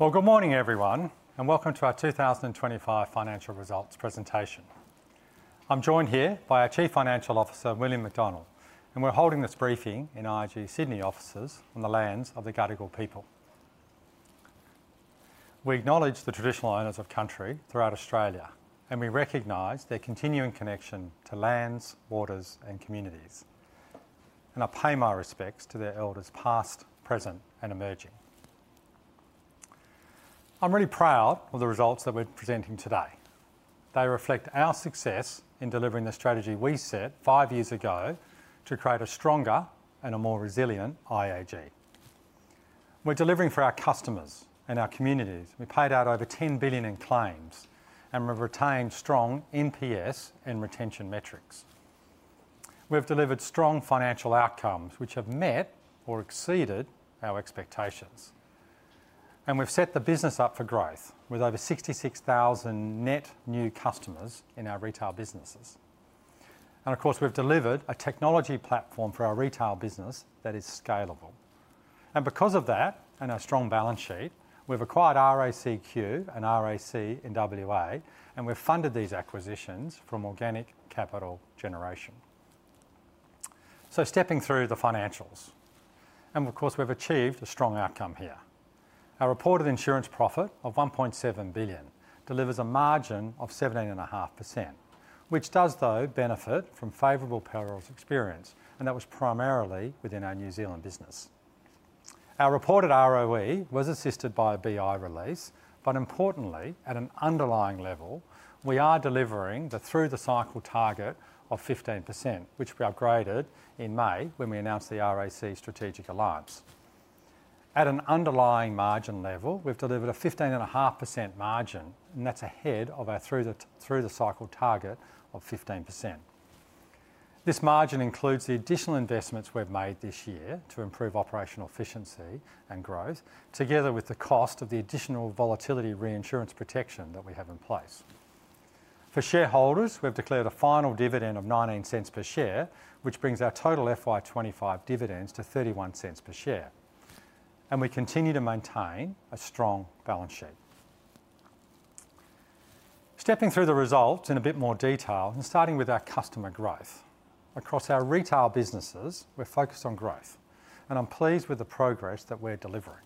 Good morning everyone, and welcome to our 2025 Financial Results Presentation. I'm joined here by our Chief Financial Officer, William McDonnell, and we're holding this briefing in our Sydney offices on the lands of the Gadigal people. We acknowledge the traditional owners of country throughout Australia, and we recognize their continuing connection to lands, waters, and communities. I pay my respects to their elders past, present, and emerging. I'm really proud of the results that we're presenting today. They reflect our success in delivering the strategy we set five years ago to create a stronger and a more resilient Insurance Australia Group. We're delivering for our customers and our communities. We paid out over $10 billion in claims and retained strong Net Promoter Score and retention metrics. We've delivered strong financial outcomes which have met or exceeded our expectations. We've set the business up for growth with over 66,000 net new customers in our retail businesses. Of course, we've delivered a technology platform for our retail business that is scalable. Because of that, and our strong balance sheet, we've acquired Royal Automobile Club of Queensland and Royal Automobile Club of Western Australia, and we've funded these acquisitions from organic capital generation. Stepping through the financials, we've achieved a strong outcome here. Our reported insurance profit of $1.7 billion delivers a margin of 17.5%, which does benefit from favorable payrolls experience, and that was primarily within our New Zealand business. Our reported ROE was assisted by a BI release, but importantly, at an underlying level, we are delivering the through-the-cycle target of 15%, which we upgraded in May when we announced the Royal Automobile Club of Queensland strategic alliance. At an underlying margin level, we've delivered a 15.5% margin, and that's ahead of our through-the-cycle target of 15%. This margin includes the additional investments we've made this year to improve operational efficiency and growth, together with the cost of the additional volatility reinsurance protection that we have in place. For shareholders, we've declared a final dividend of $0.19 per share, which brings our total FY 2025 dividends to $0.31 per share. We continue to maintain a strong balance sheet. Stepping through the results in a bit more detail and starting with our customer growth. Across our retail businesses, we're focused on growth, and I'm pleased with the progress that we're delivering.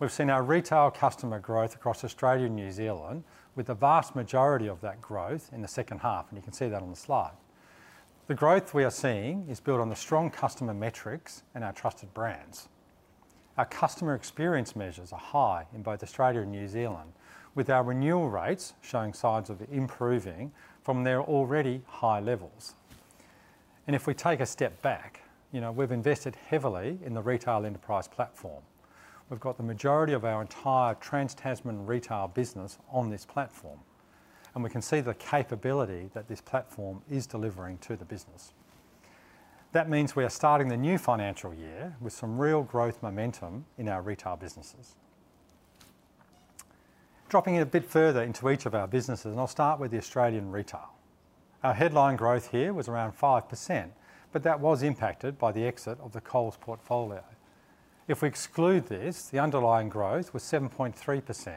We've seen our retail customer growth across Australia and New Zealand, with the vast majority of that growth in the second half, and you can see that on the slide. The growth we are seeing is built on the strong customer metrics and our trusted brands. Our customer experience measures are high in both Australia and New Zealand, with our renewal rates showing signs of improving from their already high levels. If we take a step back, you know, we've invested heavily in the retail enterprise platform. We've got the majority of our entire Trans-Tasman retail business on this platform, and we can see the capability that this platform is delivering to the business. That means we are starting the new financial year with some real growth momentum in our retail businesses. Dropping in a bit further into each of our businesses, I'll start with the Australian retail. Our headline growth here was around 5%, but that was impacted by the exit of the Coles portfolio. If we exclude this, the underlying growth was 7.3%,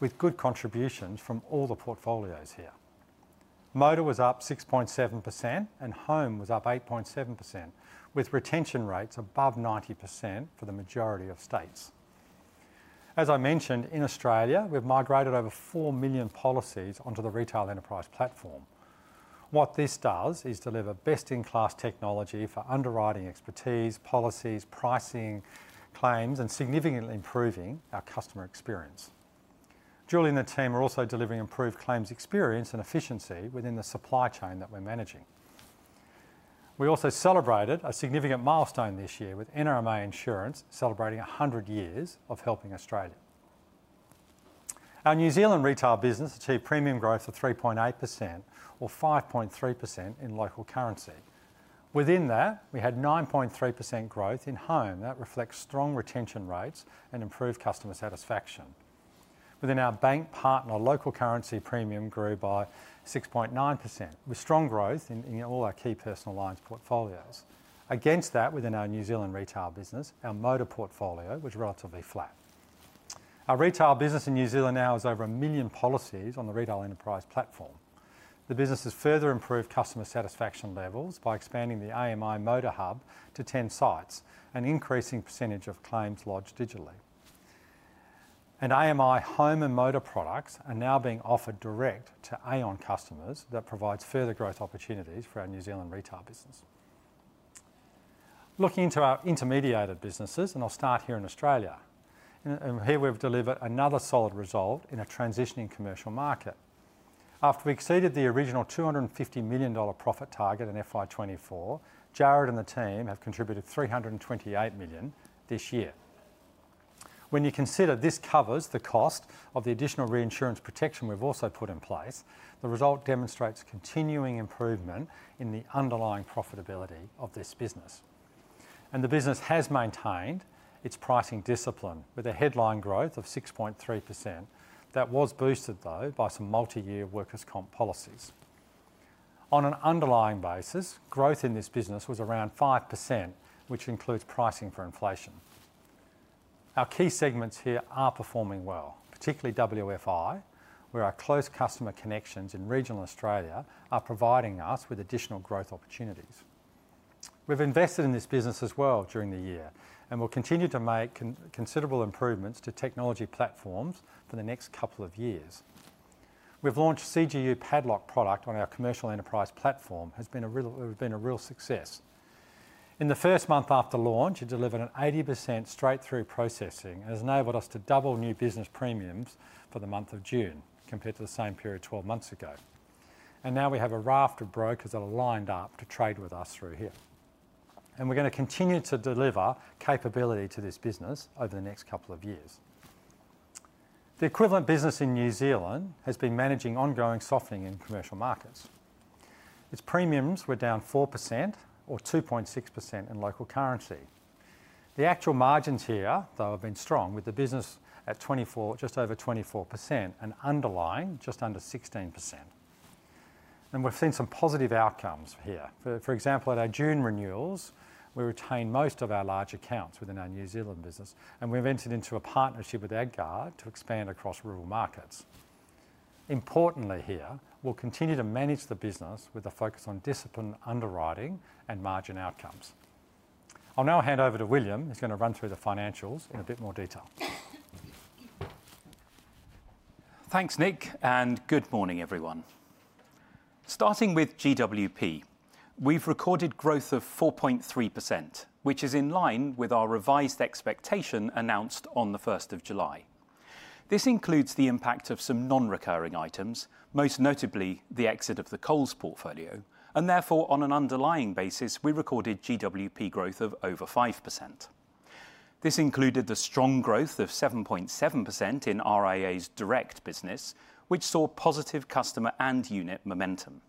with good contributions from all the portfolios here. Motor was up 6.7%, and Home was up 8.7%, with retention rates above 90% for the majority of states. As I mentioned, in Australia, we've migrated over 4 million policies onto the retail enterprise platform. What this does is deliver best-in-class technology for underwriting expertise, policies, pricing, claims, and significantly improving our customer experience. Julie and the team are also delivering improved claims experience and efficiency within the supply chain that we're managing. We also celebrated a significant milestone this year with NRMA Insurance celebrating 100 years of helping Australia. Our New Zealand retail business achieved premium growth of 3.8% or 5.3% in local currency. Within that, we had 9.3% growth in home that reflects strong retention rates and improved customer satisfaction. Within our bank partner, local currency premium grew by 6.9%, with strong growth in all our key personal lines portfolios. Against that, within our New Zealand retail business, our motor portfolio was relatively flat. Our retail business in New Zealand now has over a million policies on the retail enterprise platform. The business has further improved customer satisfaction levels by expanding the AMI motor hub to 10 sites and increasing the percentage of claims lodged digitally. AMI home and motor products are now being offered direct to Aeon customers that provide further growth opportunities for our New Zealand retail business. Looking into our intermediated businesses, I'll start here in Australia. Here we've delivered another solid result in a transitioning commercial market. After we exceeded the original $250 million profit target in FY 2024, Jarrod and the team have contributed $328 million this year. When you consider this covers the cost of the additional reinsurance protection we've also put in place, the result demonstrates continuing improvement in the underlying profitability of this business. The business has maintained its pricing discipline with a headline growth of 6.3%. That was boosted, though, by some multi-year workers' compensation policies. On an underlying basis, growth in this business was around 5%, which includes pricing for inflation. Our key segments here are performing well, particularly WFI, where our close customer connections in regional Australia are providing us with additional growth opportunities. We've invested in this business as well during the year, and we'll continue to make considerable improvements to technology platforms for the next couple of years. We've launched the CGU Padlock product on our commercial enterprise platform. It has been a real success. In the first month after launch, it delivered an 80% straight-through processing and has enabled us to double new business premiums for the month of June compared to the same period 12 months ago. Now we have a raft of brokers that are lined up to trade with us through here. We're going to continue to deliver capability to this business over the next couple of years. The equivalent business in New Zealand has been managing ongoing softening in commercial markets. Its premiums were down 4% or 2.6% in local currency. The actual margins here, though, have been strong with the business at 24%, just over 24%, and underlying just under 16%. We've seen some positive outcomes here. For example, at our June renewals, we retained most of our large accounts within our New Zealand business, and we've entered into a partnership with AgCarE to expand across rural markets. Importantly here, we'll continue to manage the business with a focus on discipline, underwriting, and margin outcomes. I'll now hand over to William, who's going to run through the financials in a bit more detail. Thanks, Nick, and good morning everyone. Starting with GWP, we've recorded growth of 4.3%, which is in line with our revised expectation announced on the 1st of July. This includes the impact of some non-recurring items, most notably the exit of the Coles portfolio, and therefore on an underlying basis, we recorded GWP growth of over 5%. This included the strong growth of 7.7% in IAG's direct business, which saw positive customer and unit momentum.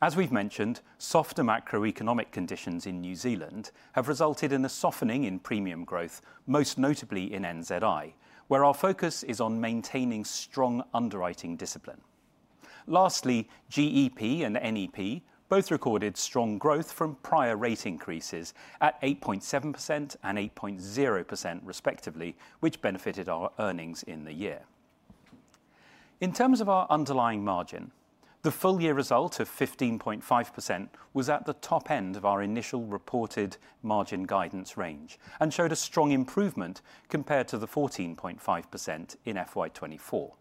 As we've mentioned, softer macroeconomic conditions in New Zealand have resulted in a softening in premium growth, most notably in NZI, where our focus is on maintaining strong underwriting discipline. Lastly, GEP and NEP both recorded strong growth from prior rate increases at 8.7% and 8.0% respectively, which benefited our earnings in the year. In terms of our underlying margin, the full-year result of 15.5% was at the top end of our initial reported margin guidance range and showed a strong improvement compared to the 14.5% in FY 2024.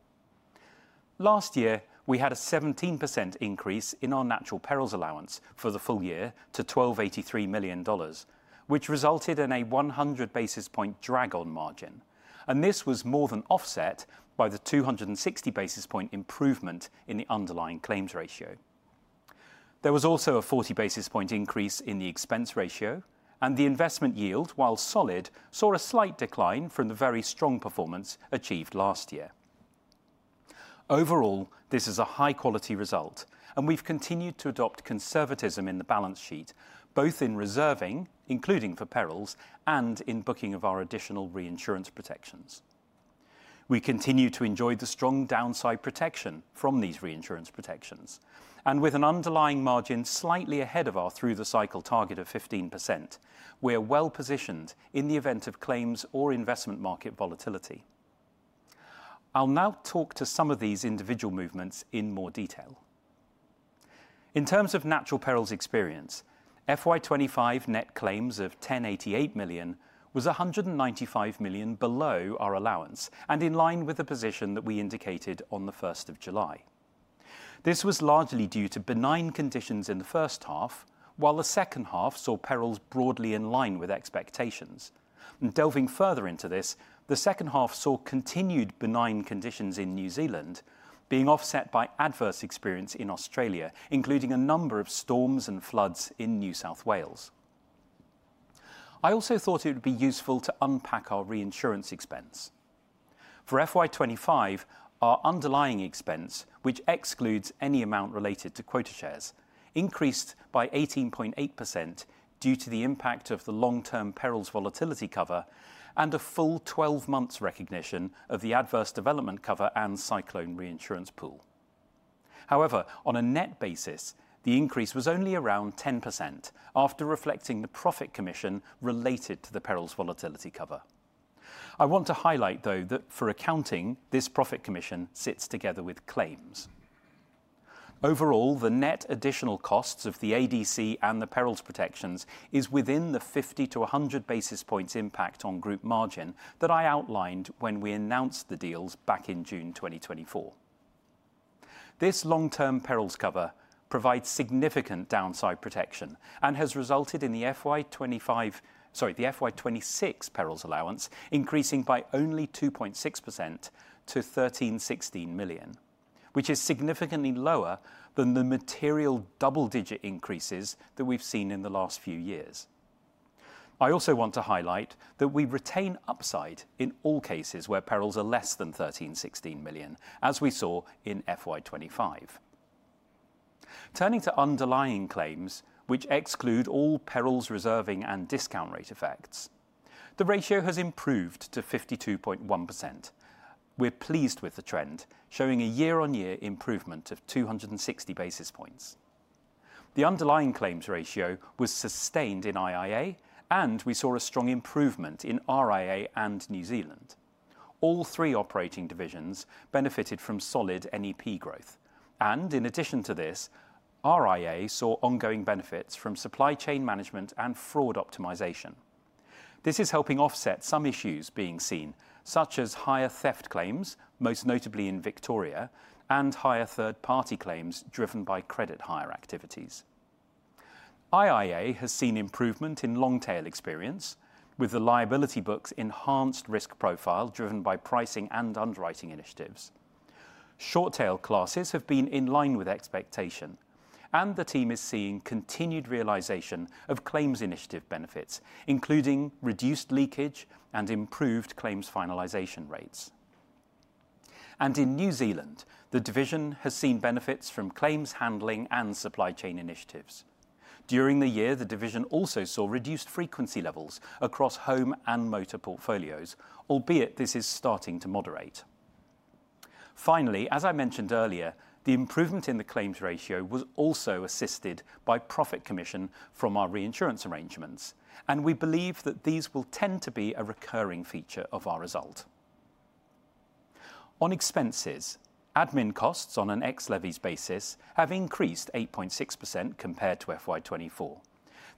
Last year, we had a 17% increase in our natural perils allowance for the full year to $1,283 million, which resulted in a 100 basis point drag on margin, and this was more than offset by the 260 basis point improvement in the underlying claims ratio. There was also a 40 basis point increase in the expense ratio, and the investment yield, while solid, saw a slight decline from the very strong performance achieved last year. Overall, this is a high-quality result, and we've continued to adopt conservatism in the balance sheet, both in reserving, including for perils, and in booking of our additional reinsurance protections. We continue to enjoy the strong downside protection from these reinsurance protections, and with an underlying margin slightly ahead of our through-the-cycle target of 15%, we are well positioned in the event of claims or investment market volatility. I'll now talk to some of these individual movements in more detail. In terms of natural perils experience, FY 2025 net claims of $1,088 million was $195 million below our allowance and in line with the position that we indicated on the 1st of July. This was largely due to benign conditions in the first half, while the second half saw perils broadly in line with expectations. Delving further into this, the second half saw continued benign conditions in New Zealand being offset by adverse experience in Australia, including a number of storms and floods in New South Wales. I also thought it would be useful to unpack our reinsurance expense. For FY 2025, our underlying expense, which excludes any amount related to quota shares, increased by 18.8% due to the impact of the long-term perils volatility cover and a full 12 months recognition of the adverse development cover and cyclone reinsurance pool. However, on a net basis, the increase was only around 10% after reflecting the profit commission related to the perils volatility cover. I want to highlight, though, that for accounting, this profit commission sits together with claims. Overall, the net additional costs of the adverse development cover and the perils protections are within the 50-100 basis points impact on group margin that I outlined when we announced the deals back in June 2024. This long-term perils cover provides significant downside protection and has resulted in the FY 2025, sorry, the FY 2026 perils allowance increasing by only 2.6% to $1,316 million, which is significantly lower than the material double-digit increases that we've seen in the last few years. I also want to highlight that we retain upside in all cases where perils are less than $1,316 million, as we saw in. Turning to underlying claims, which exclude all perils reserving and discount rate effects, the ratio has improved to 52.1%. We're pleased with the trend, showing a year-on-year improvement of 260 basis points. The underlying claims ratio was sustained in IIA, and we saw a strong improvement in RIA and New Zealand. All three operating divisions benefited from solid NEP growth, and in addition to this, RIA saw ongoing benefits from supply chain management and fraud optimization. This is helping offset some issues being seen, such as higher theft claims, most notably in Victoria, and higher third-party claims driven by credit hire activities. IIA has seen improvement in long-tail experience, with the liability books' enhanced risk profile driven by pricing and underwriting initiatives. Short-tail classes have been in line with expectation, and the team is seeing continued realization of claims initiative benefits, including reduced leakage and improved claims finalization rates. In New Zealand, the division has seen benefits from claims handling and supply chain initiatives. During the year, the division also saw reduced frequency levels across home and motor portfolios, albeit this is starting to moderate. Finally, as I mentioned earlier, the improvement in the claims ratio was also assisted by profit commission from our reinsurance arrangements, and we believe that these will tend to be a recurring feature of our result. On expenses, admin costs on an ex-levies basis have increased 8.6% compared to FY 2024.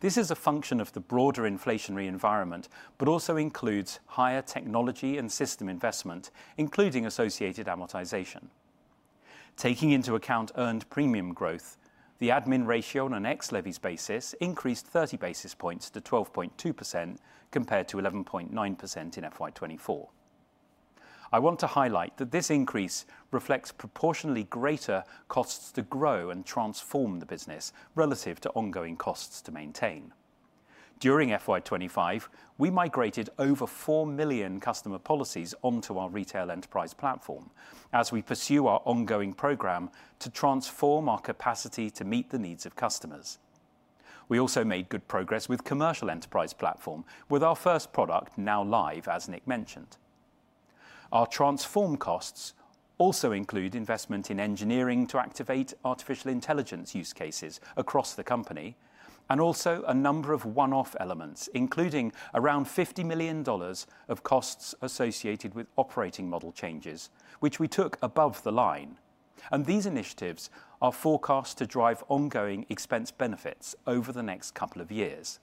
This is a function of the broader inflationary environment, but also includes higher technology and system investment, including associated amortization. Taking into account earned premium growth, the admin ratio on an ex-levies basis increased 30 basis points to 12.2% compared to 11.9% in FY 2024. I want to highlight that this increase reflects proportionally greater costs to grow and transform the business relative to ongoing costs to maintain. During FY 2025, we migrated over 4 million customer policies onto our retail enterprise platform as we pursue our ongoing program to transform our capacity to meet the needs of customers. We also made good progress with the commercial enterprise platform with our first product now live, as Nick Hawkins mentioned. Our transform costs also include investment in engineering to activate artificial intelligence use cases across the company and also a number of one-off elements, including around $50 million of costs associated with operating model changes, which we took above the line. These initiatives are forecast to drive ongoing expense benefits over the next couple of years.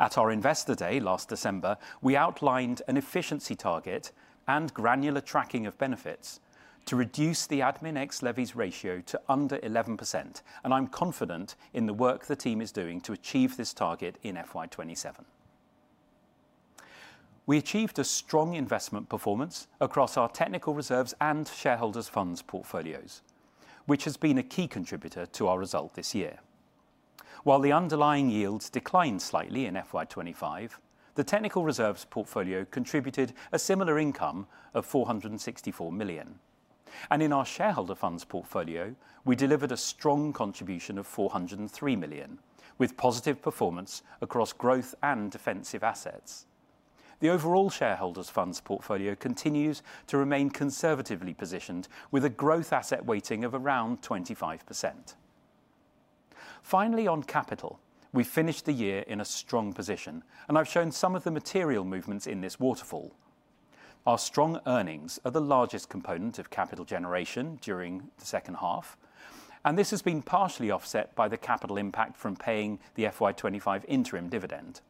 At our investor day last December, we outlined an efficiency target and granular tracking of benefits to reduce the admin ex-levies ratio to under 11%, and I'm confident in the work the team is doing to achieve this target in FY 2027. We achieved a strong investment performance across our technical reserves and shareholders' funds portfolios, which has been a key contributor to our result this year. While the underlying yields declined slightly in FY 2025, the technical reserves portfolio contributed a similar income of $464 million. In our shareholders' funds portfolio, we delivered a strong contribution of $403 million with positive performance across growth and defensive assets. The overall shareholders' funds portfolio continues to remain conservatively positioned with a growth asset weighting of around 25%. Finally, on capital, we finished the year in a strong position, and I've shown some of the material movements in this waterfall. Our strong earnings are the largest component of capital generation during the second half, and this has been partially offset by the capital impact from paying the FY 2025 interim dividend.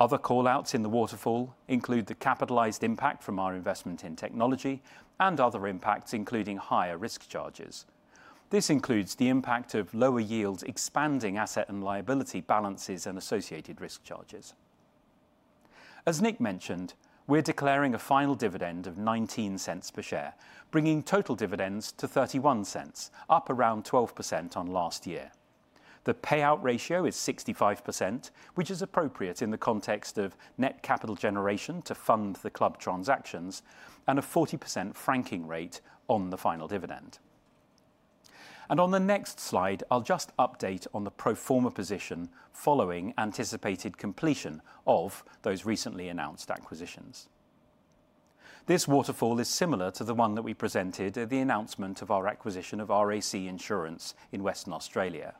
Other callouts in the waterfall include the capitalized impact from our investment in technology and other impacts, including higher risk charges. This includes the impact of lower yields expanding asset and liability balances and associated risk charges. As Nick mentioned, we're declaring a final dividend of $0.19 per share, bringing total dividends to $0.31, up around 12% on last year. The payout ratio is 65%, which is appropriate in the context of net capital generation to fund the club transactions, and a 40% franking rate on the final dividend. On the next slide, I'll just update on the pro forma position following anticipated completion of those recently announced acquisitions. This waterfall is similar to the one that we presented at the announcement of our acquisition of Royal Automobile Club of Western Australia Insurance.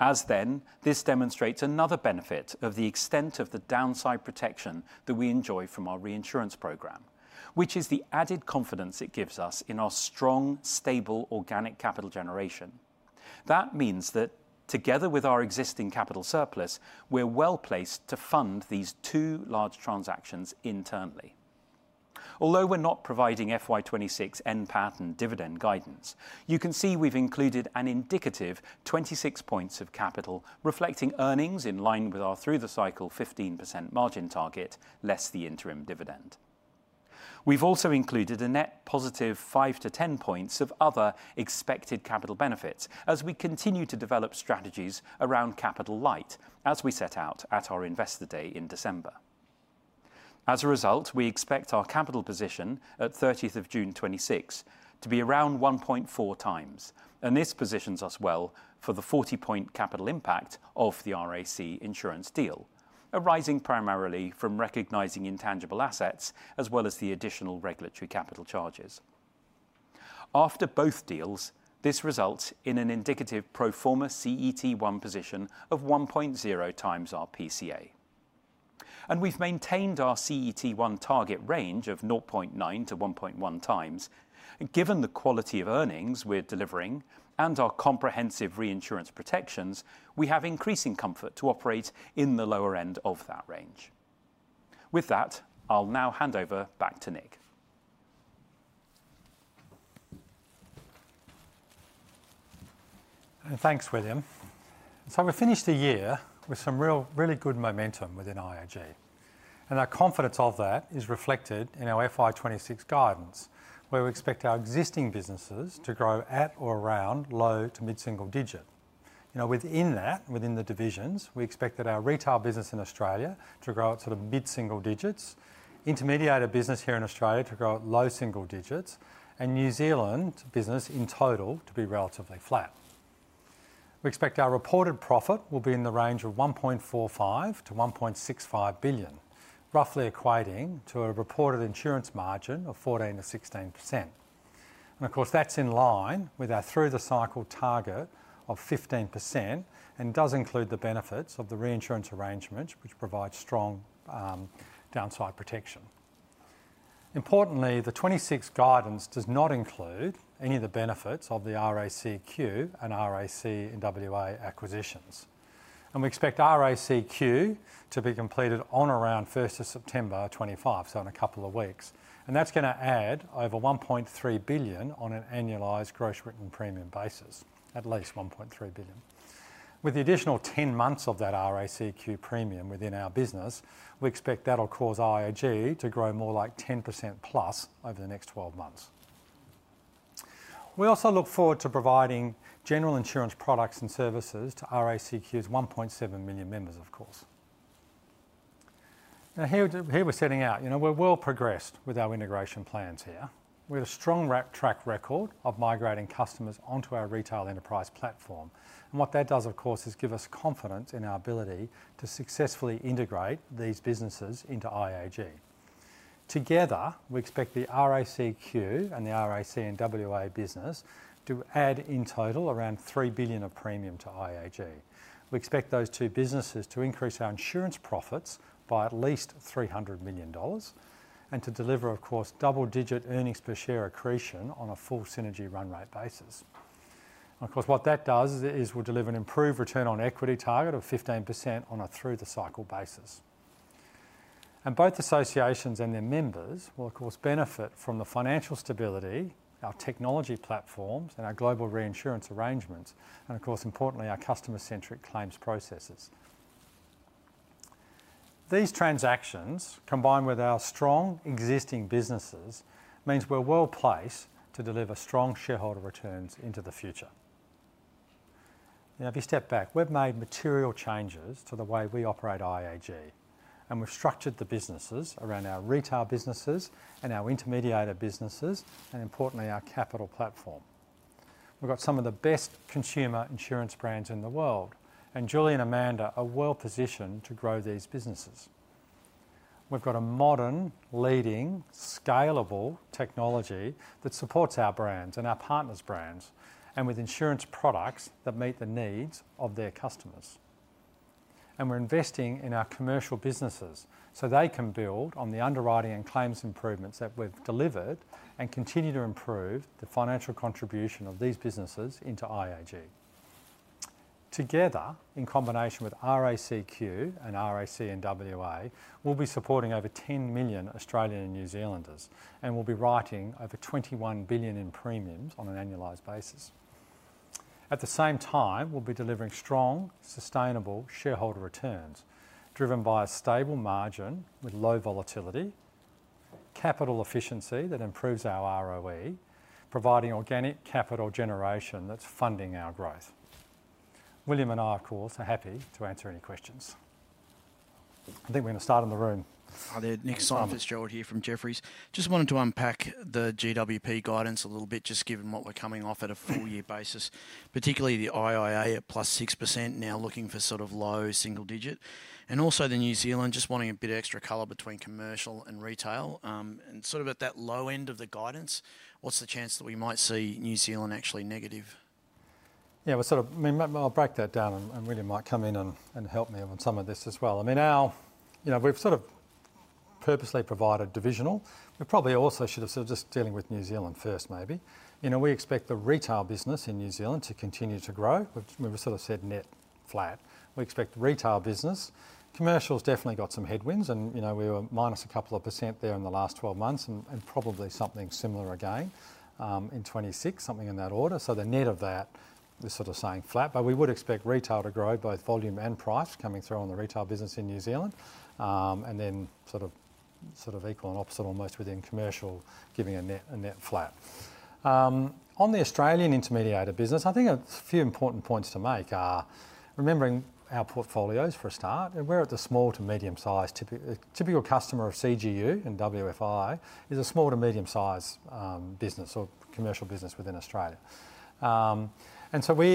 As then, this demonstrates another benefit of the extent of the downside protection that we enjoy from our reinsurance program, which is the added confidence it gives us in our strong, stable organic capital generation. That means that together with our existing capital surplus, we're well placed to fund these two large transactions internally. Although we're not providing FY 2026 end payout dividend guidance, you can see we've included an indicative 26 points of capital reflecting earnings in line with our through-the-cycle 15% margin target, less the interim dividend. We've also included a net positive 5 to 10 points of other expected capital benefits as we continue to develop strategies around capital light, as we set out at our investor day in December. As a result, we expect our capital position at June 30, 2026 to be around 1.4 times, and this positions us well for the 40-point capital impact of the Royal Automobile Club of Western Australia Insurance deal, arising primarily from recognizing intangible assets as well as the additional regulatory capital charges. After both deals, this results in an indicative pro forma CET1 position of 1.0 times our PCA. We've maintained our CET1 target range of 0.9x-1.1x, and given the quality of earnings we're delivering and our comprehensive reinsurance protections, we have increasing comfort to operate in the lower end of that range. With that, I'll now hand over back to Nick. Thanks, William. We finished the year with some really good momentum within Insurance Australia Group. Our confidence of that is reflected in our FY 2026 guidance, where we expect our existing businesses to grow at or around low to mid-single digit. Within that, and within the divisions, we expect our retail business in Australia to grow at sort of mid-single digits, intermediated business here in Australia to grow at low single digits, and New Zealand business in total to be relatively flat. We expect our reported profit will be in the range of $1.45 billion-$1.65 billion, roughly equating to a reported insurance margin of 14%-16%. Of course, that's in line with our through-the-cycle target of 15% and does include the benefits of the reinsurance arrangement, which provides strong downside protection. Importantly, the FY 2026 guidance does not include any of the benefits of the Royal Automobile Club of Queensland and Royal Automobile Club of Western Australia acquisitions. We expect Royal Automobile Club of Queensland to be completed on or around September 1, 2025, so in a couple of weeks. That's going to add over $1.3 billion on an annualized gross written premium basis, at least $1.3 billion. With the additional 10 months of that Royal Automobile Club of Queensland premium within our business, we expect that will cause Insurance Australia Group to grow more like 10% plus over the next 12 months. We also look forward to providing general insurance products and services to Royal Automobile Club of Queensland's 1.7 million members, of course. Here we're setting out. We're well progressed with our integration plans here, with a strong track record of migrating customers onto our retail enterprise platform. What that does, of course, is give us confidence in our ability to successfully integrate these businesses into Insurance Australia Group. Together, we expect the Royal Automobile Club of Queensland and the Royal Automobile Club of Western Australia business to add in total around $3 billion of premium to Insurance Australia Group. We expect those two businesses to increase our insurance profits by at least $300 million and to deliver, of course, double-digit earnings per share accretion on a full synergy run rate basis. What that does is we'll deliver an improved return on equity target of 15% on a through-the-cycle basis. Both associations and their members will, of course, benefit from the financial stability, our technology platforms, and our global reinsurance arrangements, and, importantly, our customer-centric claims processes. These transactions, combined with our strong existing businesses, mean we're well placed to deliver strong shareholder returns into the future. Now, if you step back, we've made material changes to the way we operate Insurance Australia Group, and we've structured the businesses around our retail businesses and our intermediated businesses, and importantly, our capital platform. We've got some of the best consumer insurance brands in the world, and Julie and Amanda are well positioned to grow these businesses. We've got a modern, leading, scalable technology that supports our brands and our partners' brands, with insurance products that meet the needs of their customers. We're investing in our commercial businesses so they can build on the underwriting and claims improvements that we've delivered and continue to improve the financial contribution of these businesses into Insurance Australia Group. Together, in combination with Royal Automobile Club of Queensland and Royal Automobile Club of Western Australia, we'll be supporting over 10 million Australian and New Zealanders, and we'll be writing over $21 billion in premiums on an annualized basis. At the same time, we'll be delivering strong, sustainable shareholder returns driven by a stable margin with low volatility, capital efficiency that improves our ROE, providing organic capital generation that's funding our growth. William and I, of course, are happy to answer any questions. I think we're going to start in the room. Nick, it's Joe here from Jefferies. Just wanted to unpack the GWP guidance a little bit, just given what we're coming off at a four-year basis, particularly the IIA at +6% now looking for sort of low single digit, and also the New Zealand, just wanting a bit of extra color between commercial and retail. At that low end of the guidance, what's the chance that we might see New Zealand actually negative? Yeah, I'll break that down and William McDonnell might come in and help me with some of this as well. We've purposely provided divisional. We probably also should have just dealt with New Zealand first, maybe. We expect the retail business in New Zealand to continue to grow. We've said net flat. We expect retail business. Commercial's definitely got some headwinds, and we were minus a couple of % there in the last 12 months and probably something similar again in 2026, something in that order. The net of that, we're saying flat, but we would expect retail to grow, both volume and price coming through on the retail business in New Zealand, and then almost equal and opposite within commercial, giving a net flat. On the Australian intermediated business, a few important points to make are remembering our portfolios for a start, and we're at the small to medium size. Typical customer of CGU and WFI is a small to medium size business or commercial business within Australia. The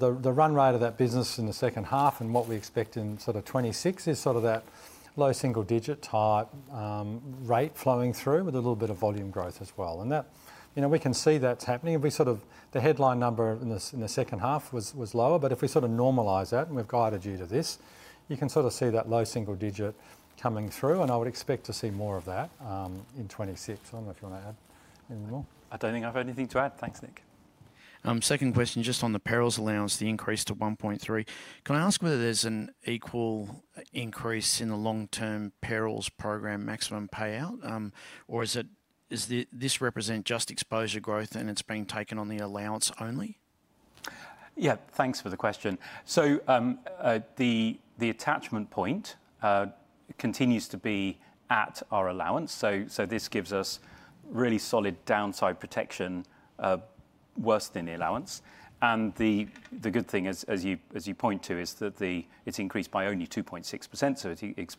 run rate of that business in the second half and what we expect in 2026 is that low single digit type rate flowing through with a little bit of volume growth as well. We can see that's happening. The headline number in the second half was lower, but if we normalize that and we've guided you to this, you can see that low single digit coming through, and I would expect to see more of that in 2026. I don't know if you want to add anything more. I don't think I've had anything to add. Thanks, Nick. Second question, just on the perils allowance, the increase to $1.3 billion. Can I ask whether there's an equal increase in the long-term perils program maximum payout, or does this represent just exposure growth and it's being taken on the allowance only? Thanks for the question. The attachment point continues to be at our allowance. This gives us really solid downside protection worse than the allowance. The good thing, as you point to, is that it's increased by only 2.6%,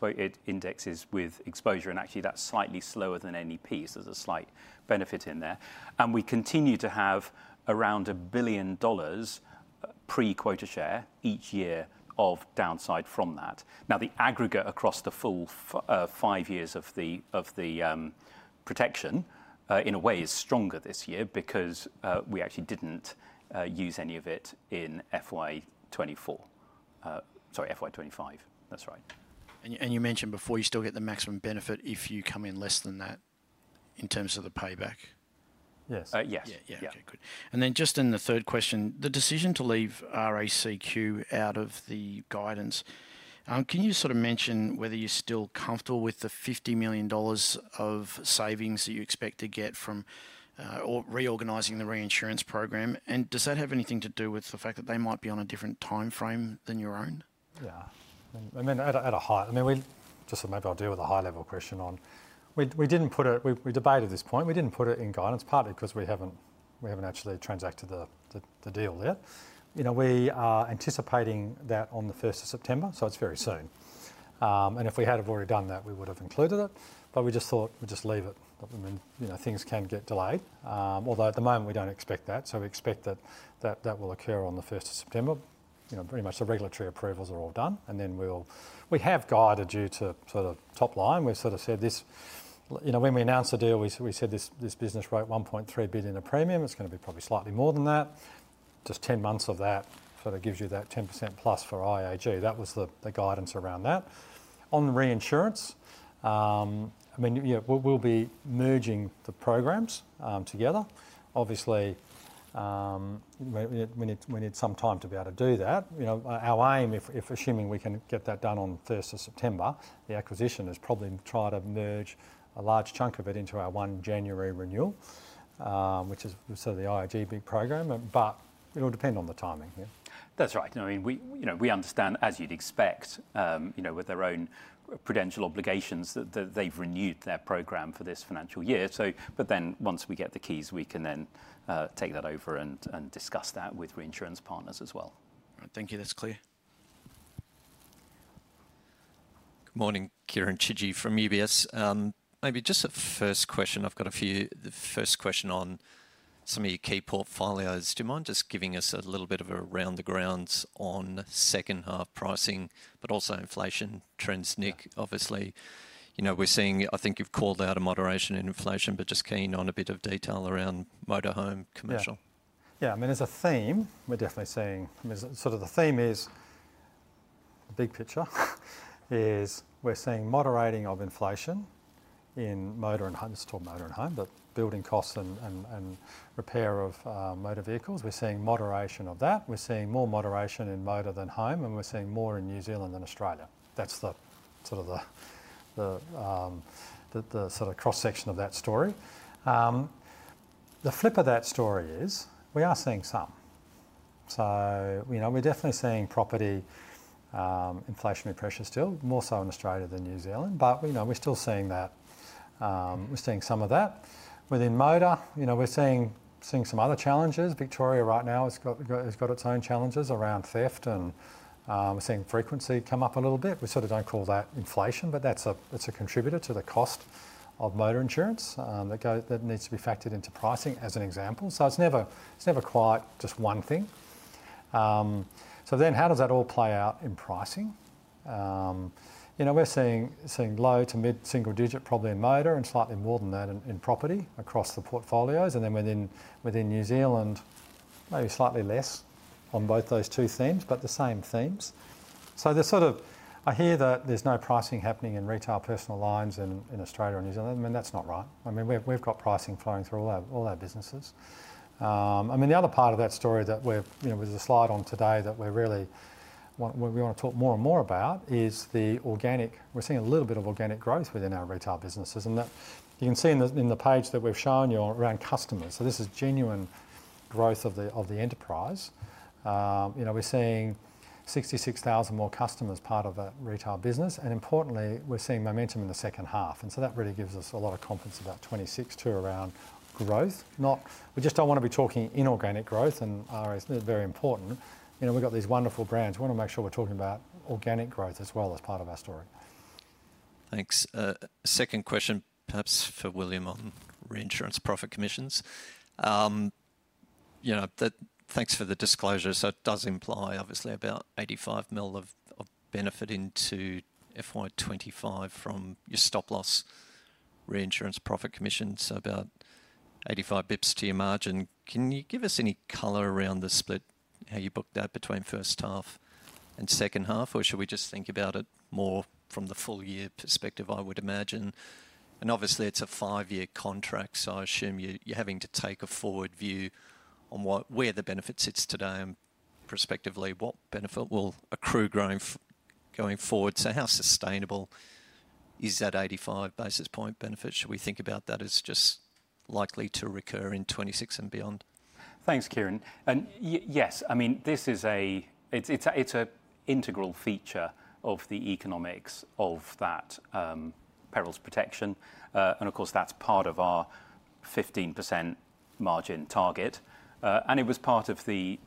so it indexes with exposure, and actually that's slightly slower than NEP. There's a slight benefit in there. We continue to have around $1 billion pre-quota share each year of downside from that. The aggregate across the full five years of the protection in a way is stronger this year because we actually didn't use any of it in FY 2024. Sorry,. That's right. You mentioned before you still get the maximum benefit if you come in less than that in terms of the payback. Yes. Yes. In the third question, the decision to leave Royal Automobile Club of Queensland out of the guidance, can you sort of mention whether you're still comfortable with the $50 million of savings that you expect to get from reorganizing the reinsurance program? Does that have anything to do with the fact that they might be on a different timeframe than your own? Yeah, at a high level, maybe I'll deal with a high-level question on, we didn't put it, we debated this point, we didn't put it in guidance partly because we haven't actually transacted the deal there. We are anticipating that on the 1st of September, so it's very soon. If we had already done that, we would have included it, but we just thought we'd just leave it. Things can get delayed, although at the moment we don't expect that. We expect that will occur on the 1st of September. Pretty much the regulatory approvals are all done, and then we have guided you to sort of top line. We've said this, when we announced the deal, we said this business wrote $1.3 billion of premium. It's going to be probably slightly more than that. Just 10 months of that sort of gives you that 10%+ for Insurance Australia Group. That was the guidance around that. On the reinsurance, we'll be merging the programs together. Obviously, we need some time to be able to do that. Our aim, assuming we can get that done on the 1st of September, the acquisition is probably trying to merge a large chunk of it into our 1 January renewal, which is the Insurance Australia Group big program, but it'll depend on the timing. That's right. I mean, we understand, as you'd expect, with their own prudential obligations that they've renewed their program for this financial year. Once we get the keys, we can then take that over and discuss that with reinsurance partners as well. Thank you. That's clear. Good morning, Kieren Chidgey from UBS. Maybe just a first question. I've got a few, the first question on some of your key portfolios. Do you mind just giving us a little bit of a round the grounds on second half pricing, but also inflation trends, Nick? Obviously, you know, we're seeing, I think you've called out a moderation in inflation, but just keen on a bit of detail around motor, home, commercial. Yeah, I mean, as a theme, we're definitely seeing, I mean, the big picture is we're seeing moderating of inflation in motor and home, still motor and home, the building costs and repair of motor vehicles. We're seeing moderation of that. We're seeing more moderation in motor than home, and we're seeing more in New Zealand than Australia. That's the cross-section of that story. The flip of that story is we are seeing some. We're definitely seeing property inflationary pressure still, more so in Australia than New Zealand, but we're still seeing that. We're seeing some of that. Within motor, we're seeing some other challenges. Victoria right now has got its own challenges around theft, and we're seeing frequency come up a little bit. We don't call that inflation, but that's a contributor to the cost of motor insurance that needs to be factored into pricing as an example. It's never quite just one thing. How does that all play out in pricing? We're seeing low to mid-single digit probably in motor and slightly more than that in property across the portfolios. Within New Zealand, maybe slightly less on both those two themes, but the same themes. I hear that there's no pricing happening in retail personal lines in Australia or New Zealand. That's not right. We've got pricing flowing through all our businesses. The other part of that story that we're, there's a slide on today that we really want to talk more and more about is the organic, we're seeing a little bit of organic growth within our retail businesses. That you can see in the page that we've shown you around customers. This is genuine growth of the enterprise. We're seeing 66,000 more customers part of a retail business. Importantly, we're seeing momentum in the second half. That really gives us a lot of confidence about 2026 to around growth. We just don't want to be talking inorganic growth, and it's very important. We've got these wonderful brands. We want to make sure we're talking about organic growth as well as part of our story. Thanks. Second question, perhaps for William on reinsurance profit commissions. Thanks for the disclosure. It does imply obviously about $85 million of benefit into FY 2025 from your stop loss reinsurance profit commission, so about 85 basis points to your margin. Can you give us any color around the split, how you book that between first half and second half, or should we just think about it more from the full year perspective, I would imagine? Obviously, it's a five-year contract. I assume you're having to take a forward view on where the benefit sits today and prospectively what benefit will accrue going forward. How sustainable is that 85 basis points benefit? Should we think about that as just likely to recur in 2026 and beyond? Thanks, Ciaran. This is an integral feature of the economics of that perils protection. Of course, that's part of our 15% margin target. It was part of the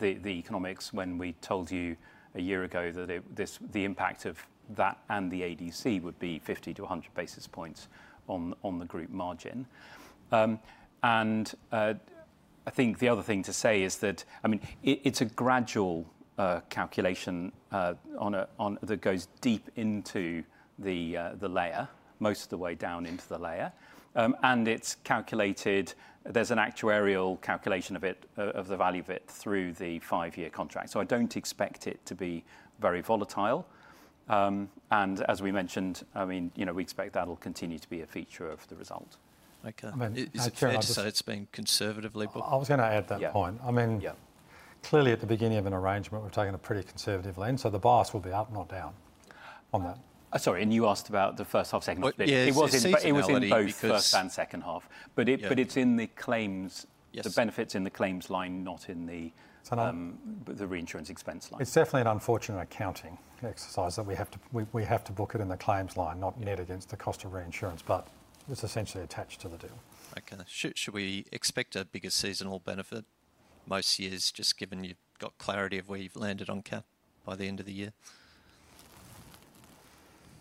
economics when we told you a year ago that the impact of that and the adverse development cover would be 50-100 basis points on the group margin. The other thing to say is that it's a gradual calculation that goes deep into the layer, most of the way down into the layer. It's calculated, there's an actuarial calculation of the value of it through the five-year contract. I don't expect it to be very volatile. As we mentioned, we expect that'll continue to be a feature of the result. Okay. I mean, as Ciaran said, it's been conservatively. I was going to add that point. I mean, clearly at the beginning of an arrangement, we're taking a pretty conservative lens. The bars will be up, not down on that. Sorry, and you asked about the first half, second half. It was in both first and second half, but it's in the claims, the benefits in the claims line, not in the reinsurance expense line. It's definitely an unfortunate accounting exercise that we have to book it in the claims line, not net against the cost of reinsurance, but it's essentially attached to the deal. Okay. Should we expect a bigger seasonal benefit most years, just given you've got clarity of where you've landed on capital by the end of the year?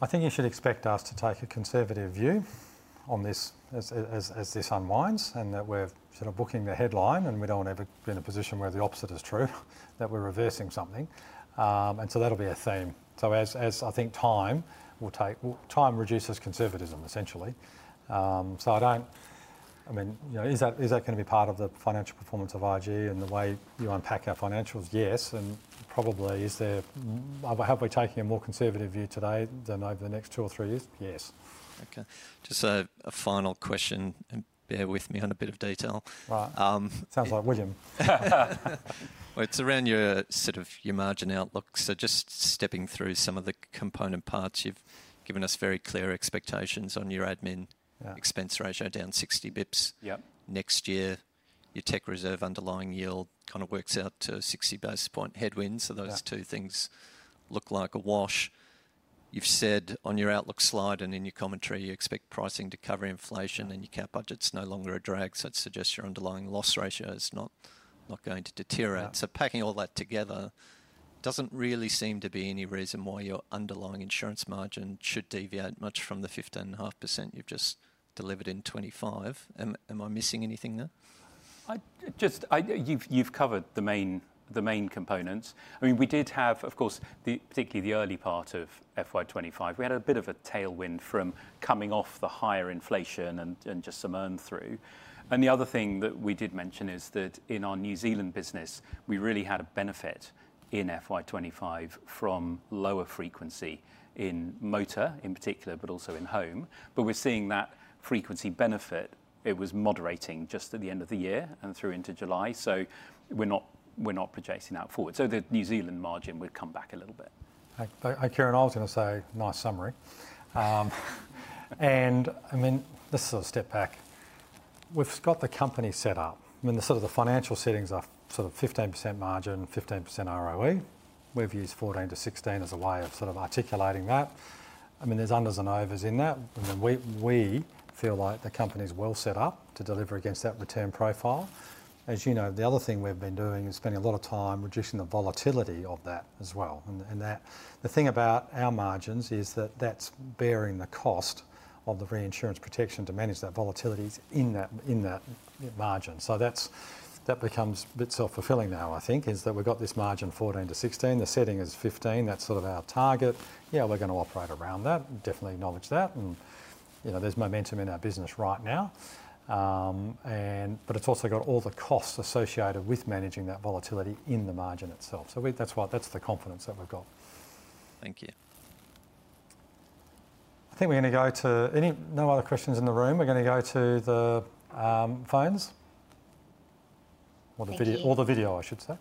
I think you should expect us to take a conservative view on this as this unwinds and that we're sort of booking the headline, and we don't want to be in a position where the opposite is true, that we're reversing something. That'll be a theme. As time goes on, time reduces conservatism essentially. Is that going to be part of the financial performance of Insurance Australia Group and the way you unpack our financials? Yes. Probably, have we taken a more conservative view today than over the next two or three years? Yes. Okay. Just a final question, and bear with me on a bit of detail. Right. Sounds like William. It's around your sort of your margin outlook. Just stepping through some of the component parts, you've given us very clear expectations on your admin expense ratio down 60 basis points. Next year, your tech reserve underlying yield kind of works out to 60 basis point headwinds. Those two things look like a wash. You've said on your outlook slide and in your commentary, you expect pricing to cover inflation and your cap budget's no longer a drag. I'd suggest your underlying loss ratio is not going to deteriorate. Packing all that together, doesn't really seem to be any reason why your underlying insurance margin should deviate much from the 15.5% you've just delivered in 2025. Am I missing anything there? You've covered the main components. I mean, we did have, of course, particularly the early part of FY 2025, we had a bit of a tailwind from coming off the higher inflation and just some earned through. The other thing that we did mention is that in our New Zealand business, we really had a benefit in FY 2025 from lower frequency in motor in particular, but also in home. We're seeing that frequency benefit, it was moderating just at the end of the year and through into July. We're not projecting that forward. The New Zealand margin would come back a little bit. I carry on, I was going to say nice summary. This is a step back. We've got the company set up. The sort of the financial settings are sort of 15% margin, 15% ROE. We've used 14%-16% as a way of sort of articulating that. There's unders and overs in that. We feel like the company's well set up to deliver against that return profile. As you know, the other thing we've been doing is spending a lot of time reducing the volatility of that as well. The thing about our margins is that that's bearing the cost of the reinsurance protection to manage that volatility in that margin. That becomes a bit self-fulfilling now, I think, is that we've got this margin 14%-16%, the setting is 15%, that's sort of our target. Yeah, we're going to operate around that, definitely acknowledge that. There's momentum in our business right now. It's also got all the costs associated with managing that volatility in the margin itself. That's why that's the confidence that we've got. Thank you. I think we're going to go to any, no other questions in the room. We're going to go to the phones or the video, I should say.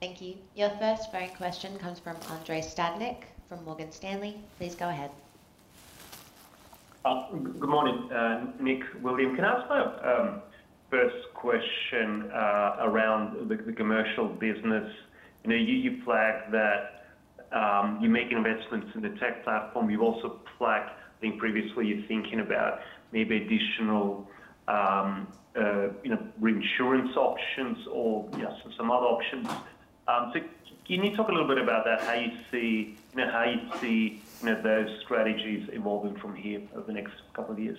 Thank you. Your first phone question comes from Andrei Stadnik from Morgan Stanley. Please go ahead. Good morning, Nick. William, can I ask my first question around the commercial business? You flagged that you make investments in the tech platform. You've also flagged, I think, previously you're thinking about maybe additional reinsurance options or some other options. Can you talk a little bit about that, how you'd see those strategies evolving from here over the next couple of years?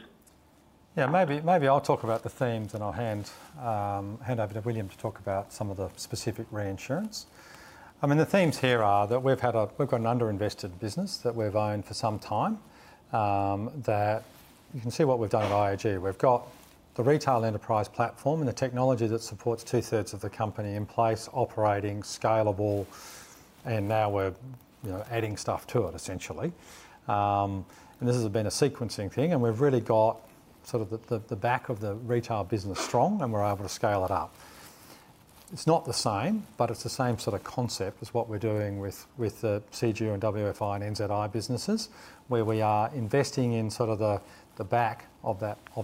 Yeah, maybe I'll talk about the themes and I'll hand over to William to talk about some of the specific reinsurance. The themes here are that we've got an underinvested business that we've owned for some time. You can see what we've done at Insurance Australia Group. We've got the retail enterprise platform and the technology that supports two-thirds of the company in place, operating, scalable, and now we're adding stuff to it essentially. This has been a sequencing thing, and we've really got sort of the back of the retail business strong, and we're able to scale it up. It's not the same, but it's the same sort of concept as what we're doing with the CGU and WFI and NZI businesses, where we are investing in sort of the back of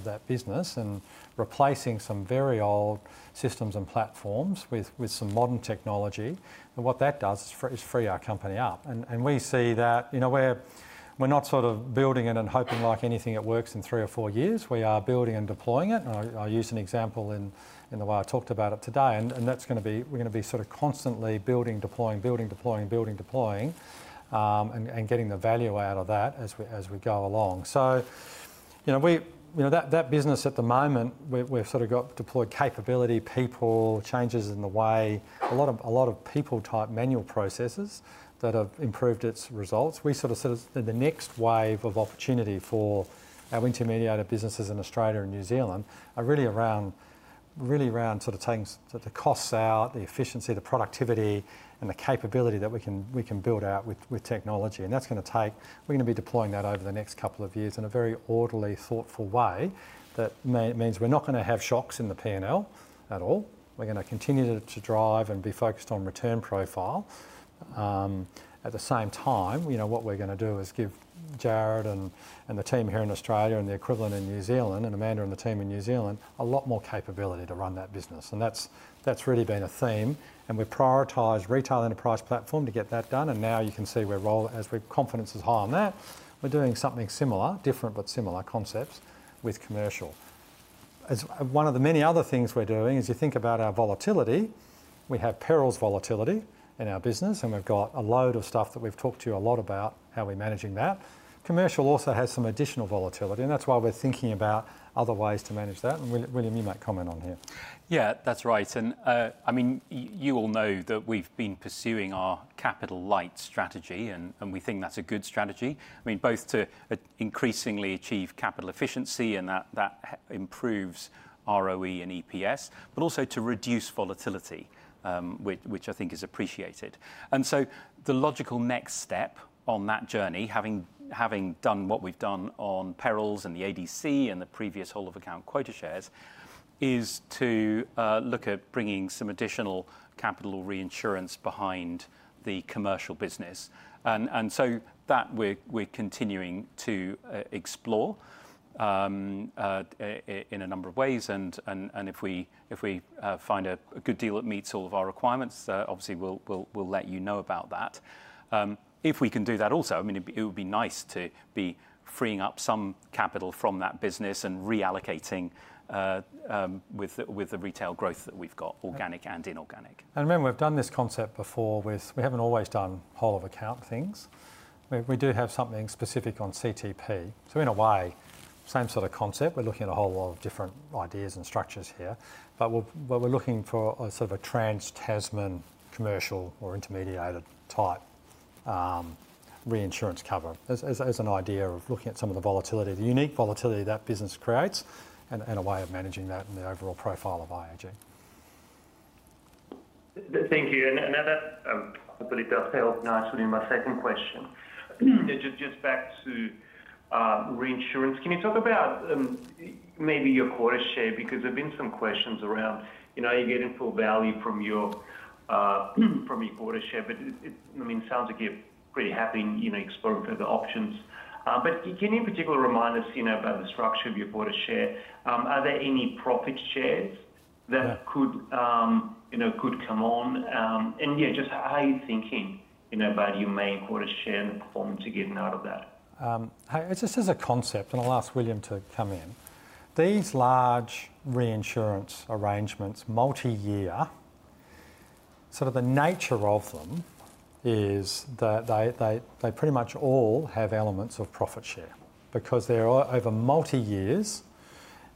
that business and replacing some very old systems and platforms with some modern technology. What that does is free our company up. We see that we're not building it and hoping like anything that works in three or four years. We are building and deploying it. I'll use an example in the way I talked about it today. That's going to be, we're going to be constantly building, deploying, building, deploying, building, deploying, and getting the value out of that as we go along. That business at the moment, we've got deployed capability people, changes in the way, a lot of people type manual processes that have improved its results. We said the next wave of opportunity for our intermediated businesses in Australia and New Zealand are really around taking the costs out, the efficiency, the productivity, and the capability that we can build out with technology. That's going to take, we're going to be deploying that over the next couple of years in a very orderly, thoughtful way that means we're not going to have shocks in the P&L at all. We're going to continue to drive and be focused on return profile. At the same time, what we're going to do is give Jarrod and the team here in Australia and the equivalent in New Zealand and Amanda and the team in New Zealand a lot more capability to run that business. That's really been a theme. We prioritize retail enterprise platform to get that done. Now you can see as our confidence is high on that, we're doing something similar, different but similar concepts with commercial. One of the many other things we're doing is you think about our volatility. We have perils volatility in our business, and we've got a load of stuff that we've talked to you a lot about how we're managing that. Commercial also has some additional volatility, and that's why we're thinking about other ways to manage that. William, you might comment on here. Yeah, that's right. I mean, you all know that we've been pursuing our capital light strategy, and we think that's a good strategy. I mean, both to increasingly achieve capital efficiency, and that improves ROE and EPS, but also to reduce volatility, which I think is appreciated. The logical next step on that journey, having done what we've done on perils and the adverse development cover and the previous whole of account quota shares, is to look at bringing some additional capital reinsurance behind the commercial business. We're continuing to explore in a number of ways. If we find a good deal that meets all of our requirements, obviously we'll let you know about that. If we can do that also, I mean, it would be nice to be freeing up some capital from that business and reallocating with the retail growth that we've got, organic and inorganic. We've done this concept before; we haven't always done whole of account things. We do have something specific on CTP. In a way, same sort of concept, we're looking at a whole lot of different ideas and structures here. What we're looking for is sort of a trans-Tasman commercial or intermediated type reinsurance cover as an idea of looking at some of the volatility, the unique volatility that business creates, and a way of managing that in the overall profile of Insurance Australia Group. Thank you. I believe that health nationally, my second question. Just back to reinsurance, can you talk about maybe your quota share? There have been some questions around, you know, are you getting full value from your quota share? I mean, it sounds like you're pretty happy, you know, exploring further options. Can you particularly remind us, you know, about the structure of your quota share? Are there any profit shares that could, you know, could come on? Yeah, just how are you thinking, you know, about your main quota share and the performance you're getting out of that? Hi, it's just as a concept, and I'll ask William to come in. These large reinsurance arrangements, multi-year, sort of the nature of them is that they pretty much all have elements of profit share because they're over multi-years.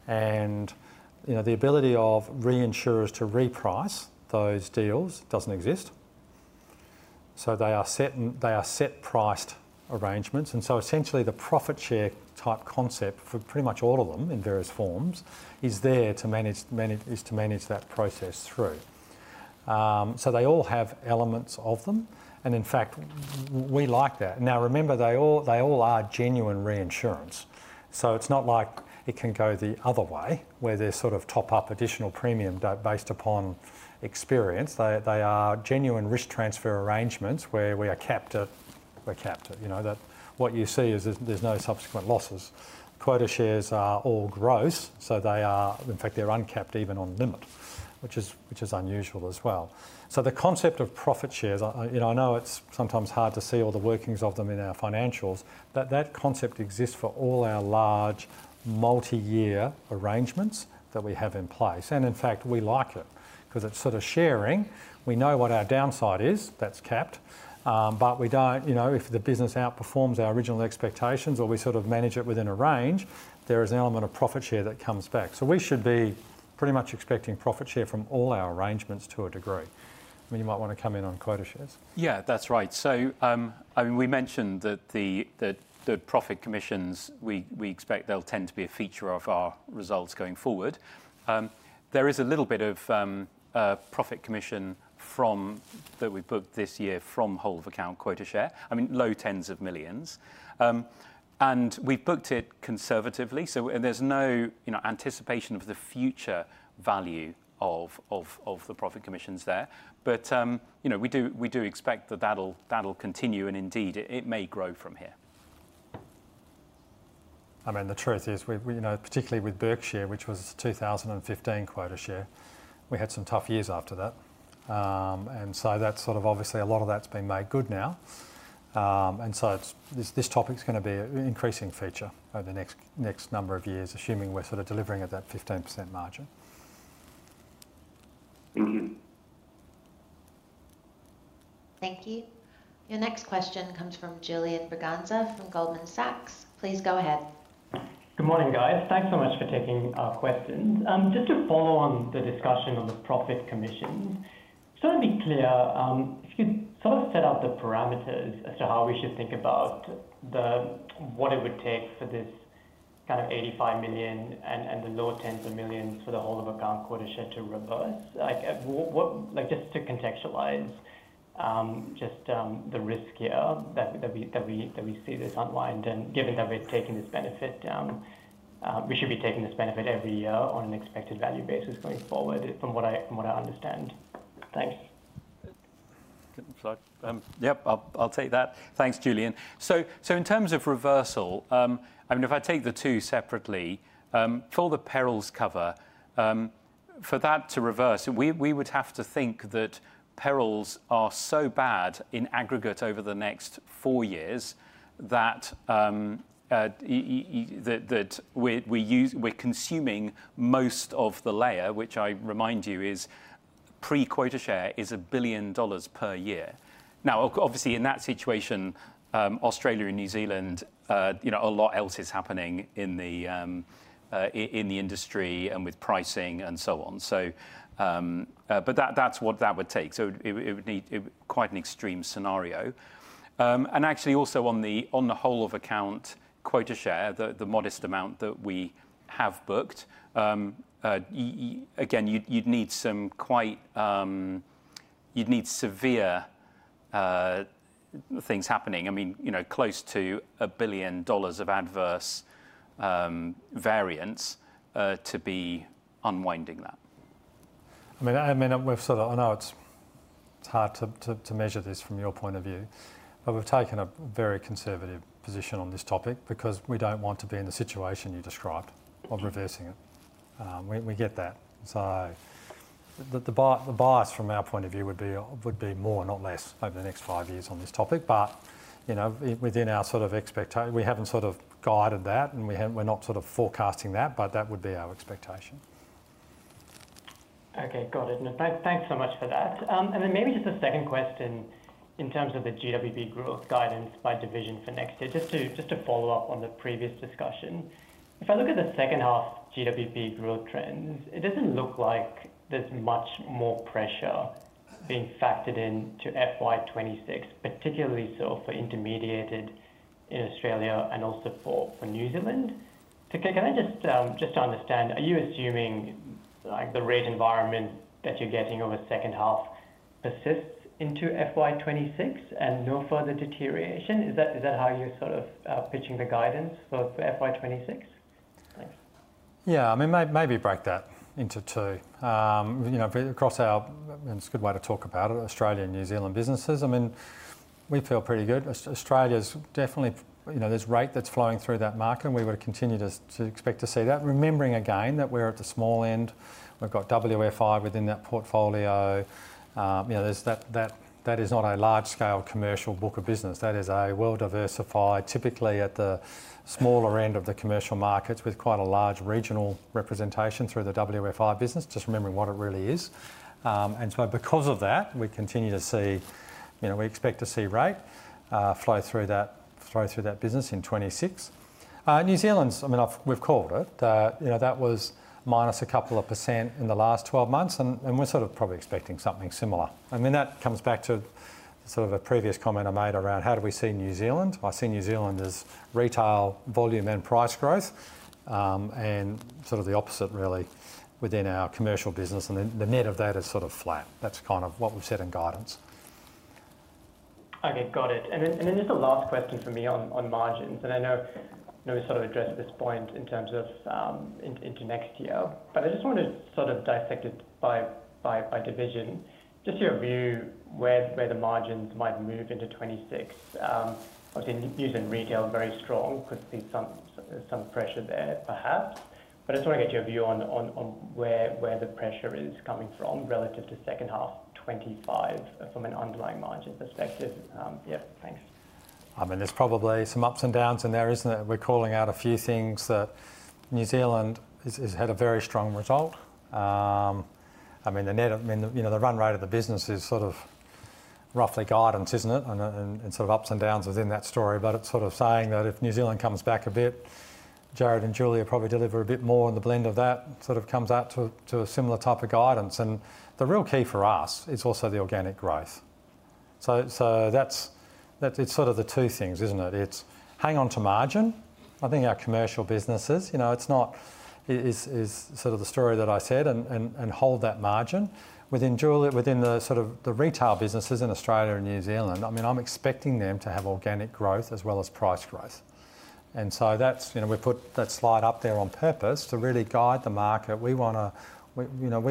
The ability of reinsurers to reprice those deals doesn't exist. They are set-priced arrangements. Essentially, the profit share type concept for pretty much all of them in various forms is there to manage that process through. They all have elements of them. In fact, we like that. Now remember, they all are genuine reinsurance. It's not like it can go the other way where they're sort of top-up additional premium based upon experience. They are genuine risk transfer arrangements where we are capped at, you know, that what you see is there's no subsequent losses. Quota shares are all gross. In fact, they're uncapped even on limits, which is unusual as well. The concept of profit shares, I know it's sometimes hard to see all the workings of them in our financials, but that concept exists for all our large multi-year arrangements that we have in place. In fact, we like it because it's sort of sharing. We know what our downside is that's kept. We don't, you know, if the business outperforms our original expectations or we sort of manage it within a range, there is an element of profit share that comes back. We should be pretty much expecting profit share from all our arrangements to a degree. I mean, you might want to come in on quota shares. Yeah, that's right. I mean, we mentioned that the profit commissions, we expect they'll tend to be a feature of our results going forward. There is a little bit of profit commission that we booked this year from whole of account quota share, low tens of millions, and we booked it conservatively. There's no anticipation of the future value of the profit commissions there. We do expect that that'll continue, and indeed it may grow from here. The truth is, particularly with Berkshire Hathaway, which was 2015 quota share, we had some tough years after that. That's obviously a lot of that's been made good now. This topic's going to be an increasing feature over the next number of years, assuming we're delivering at that 15% margin. Thank you. Thank you. Your next question comes from Julian Braganza from Goldman Sachs. Please go ahead. Good morning, guys. Thanks so much for taking our questions. Just to follow on the discussion on the profit commissions, just want to be clear, if you could sort of set out the parameters as to how we should think about what it would take for this kind of $85 million and the low tens of millions for the whole of account quota share to reverse. Like what, like just to contextualize, just the risk here that we see this unwind. Given that we're taking this benefit, we should be taking this benefit every year on an expected value basis going forward from what I understand. Thanks. Yeah, I'll take that. Thanks, Julian. In terms of reversal, if I take the two separately, for the perils volatility cover, for that to reverse, we would have to think that perils are so bad in aggregate over the next four years that we're consuming most of the layer, which I remind you is pre-quota share, $1 billion per year. Obviously, in that situation, Australia and New Zealand, a lot else is happening in the industry and with pricing and so on. That's what that would take. It would need quite an extreme scenario. Actually, also on the whole of account quota share, the modest amount that we have booked, again, you'd need some quite, you'd need severe things happening. I mean, close to $1 billion of adverse variance to be unwinding that. We've sort of, I know it's hard to measure this from your point of view. We've taken a very conservative position on this topic because we don't want to be in the situation you described of reversing it. We get that. The bars from our point of view would be more, not less, over the next five years on this topic. You know, within our sort of expectation, we haven't sort of guided that and we're not sort of forecasting that, but that would be our expectation. Okay, got it. Thanks so much for that. Maybe just a second question in terms of the GWP growth guidance by division for next year, just to follow up on the previous discussion. If I look at the second half GWP growth trends, it doesn't look like there's much more pressure being factored into FY 2026, particularly for intermediated in Australia and also for New Zealand. Can I just understand, are you assuming the rate environment that you're getting over the second half persists into FY 2026 and no further deterioration? Is that how you're sort of pitching the guidance for FY 2026? Yeah, I mean, maybe break that into two. You know, across our, it's a good way to talk about it, Australia and New Zealand businesses. I mean, we feel pretty good. Australia's definitely, you know, there's rate that's flowing through that market and we would continue to expect to see that. Remembering again that we're at the small end, we've got WFI within that portfolio. That is not a large scale commercial book of business. That is a well diversified, typically at the smaller end of the commercial markets with quite a large regional representation through the WFI business, just remembering what it really is. Because of that, we continue to see, you know, we expect to see rate flow through that, flow through that business in 2026. New Zealand's, I mean, we've called it, you know, that was minus a couple of % in the last 12 months and we're sort of probably expecting something similar. That comes back to sort of a previous comment I made around how do we see New Zealand? I see New Zealand as retail volume and price growth and sort of the opposite really within our commercial business and the net of that is sort of flat. That's kind of what we've said in guidance. Okay, got it. Just a last question for me on margins. I know we sort of addressed this point in terms of into next year, but I just want to sort of dissect it by division. Just your view where the margins might move into 2026. Obviously, news in retail is very strong because there's some pressure there perhaps, but I just want to get your view on where the pressure is coming from relative to second half 2025 from an underlying margin perspective. Yeah, thanks. There's probably some ups and downs in there, isn't it? We're calling out a few things that New Zealand has had a very strong result. The net, you know, the run rate of the business is sort of roughly guidance, isn't it? Sort of ups and downs within that story, but it's saying that if New Zealand comes back a bit, Jarrod and Julie probably deliver a bit more and the blend of that comes out to a similar type of guidance. The real key for us is also the organic growth. That's sort of the two things, isn't it? It's hang on to margin. I think our commercial businesses, you know, it's the story that I said and hold that margin. Within the retail businesses in Australia and New Zealand, I'm expecting them to have organic growth as well as price growth. We put that slide up there on purpose to really guide the market. We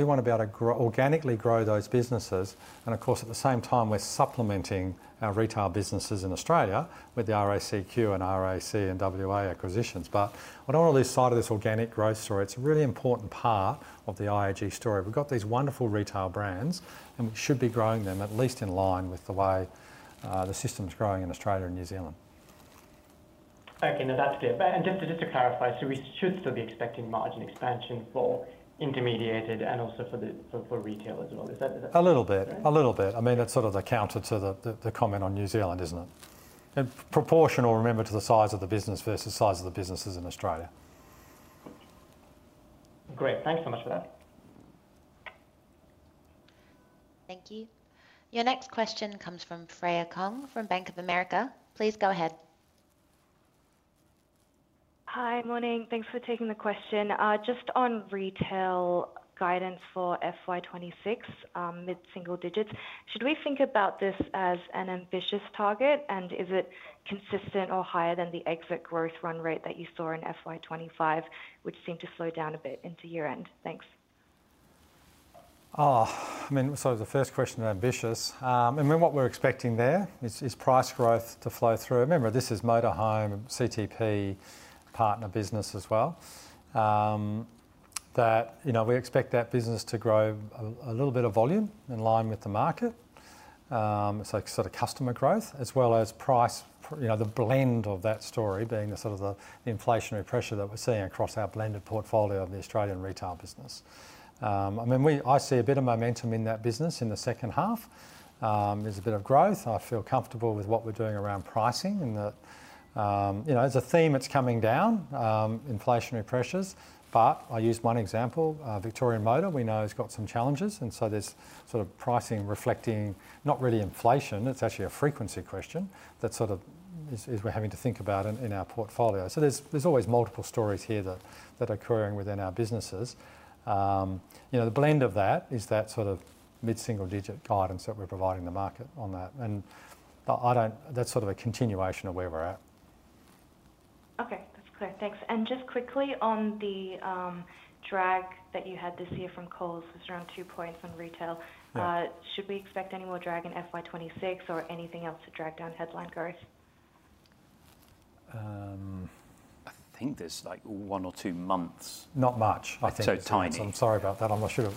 want to be able to organically grow those businesses. Of course, at the same time, we're supplementing our retail businesses in Australia with the Royal Automobile Club of Queensland and Royal Automobile Club of Western Australia acquisitions. I don't want to lose sight of this organic growth story. It's a really important part of the Insurance Australia Group story. We've got these wonderful retail brands and we should be growing them at least in line with the way the system's growing in Australia and New Zealand. Okay, no, that's clear. Just to clarify, we should still be expecting margin expansion for intermediated and also for retail as well. A little bit, a little bit. I mean, that's sort of the counter to the comment on New Zealand, isn't it? Proportional, remember, to the size of the business versus the size of the businesses in Australia. Great, thanks so much for that. Thank you. Your next question comes from Freya Kong from Bank of America. Please go ahead. Hi, morning. Thanks for taking the question. Just on retail guidance for FY 2026, mid-single digits, should we think about this as an ambitious target, and is it consistent or higher than the exit growth run rate that you saw in FY 2025, which seemed to slow down a bit into year end? Thanks. The first question is ambitious. What we're expecting there is price growth to flow through. Remember, this is motor, home, CTP partner business as well. We expect that business to grow a little bit of volume in line with the market, so sort of customer growth as well as price, the blend of that story being the inflationary pressure that we're seeing across our blended portfolio of the Australian retail business. I see a bit of momentum in that business in the second half. There's a bit of growth. I feel comfortable with what we're doing around pricing, and there's a theme that's coming down, inflationary pressures. I'll use one example, Victoria Motor. We know it's got some challenges, and so there's pricing reflecting not really inflation. It's actually a frequency question that we're having to think about in our portfolio. There are always multiple stories here that are occurring within our businesses. The blend of that is that sort of mid-single digit guidance that we're providing the market on that. I don't, that's sort of a continuation of where we're at. Okay, that's clear. Thanks. Just quickly on the drag that you had this year from Coles, it was around 2% on retail. Should we expect any more drag in FY 2026 or anything else to drag down headline growth? I think there's one or two months, not much, I think. I'm sorry about that. I'm not sure.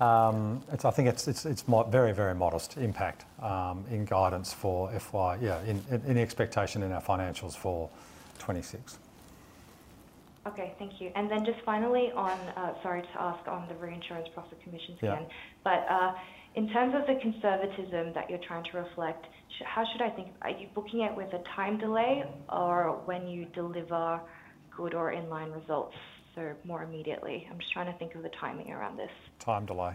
I think it's very, very modest impact in guidance for FY 2026, in expectation in our financials for 2026. Okay, thank you. Finally, on the reinsurance profit commissions again, in terms of the conservatism that you're trying to reflect, how should I think? Are you booking it with a time delay or when you deliver good or inline results, so more immediately? I'm just trying to think of the timing around this. Time delay.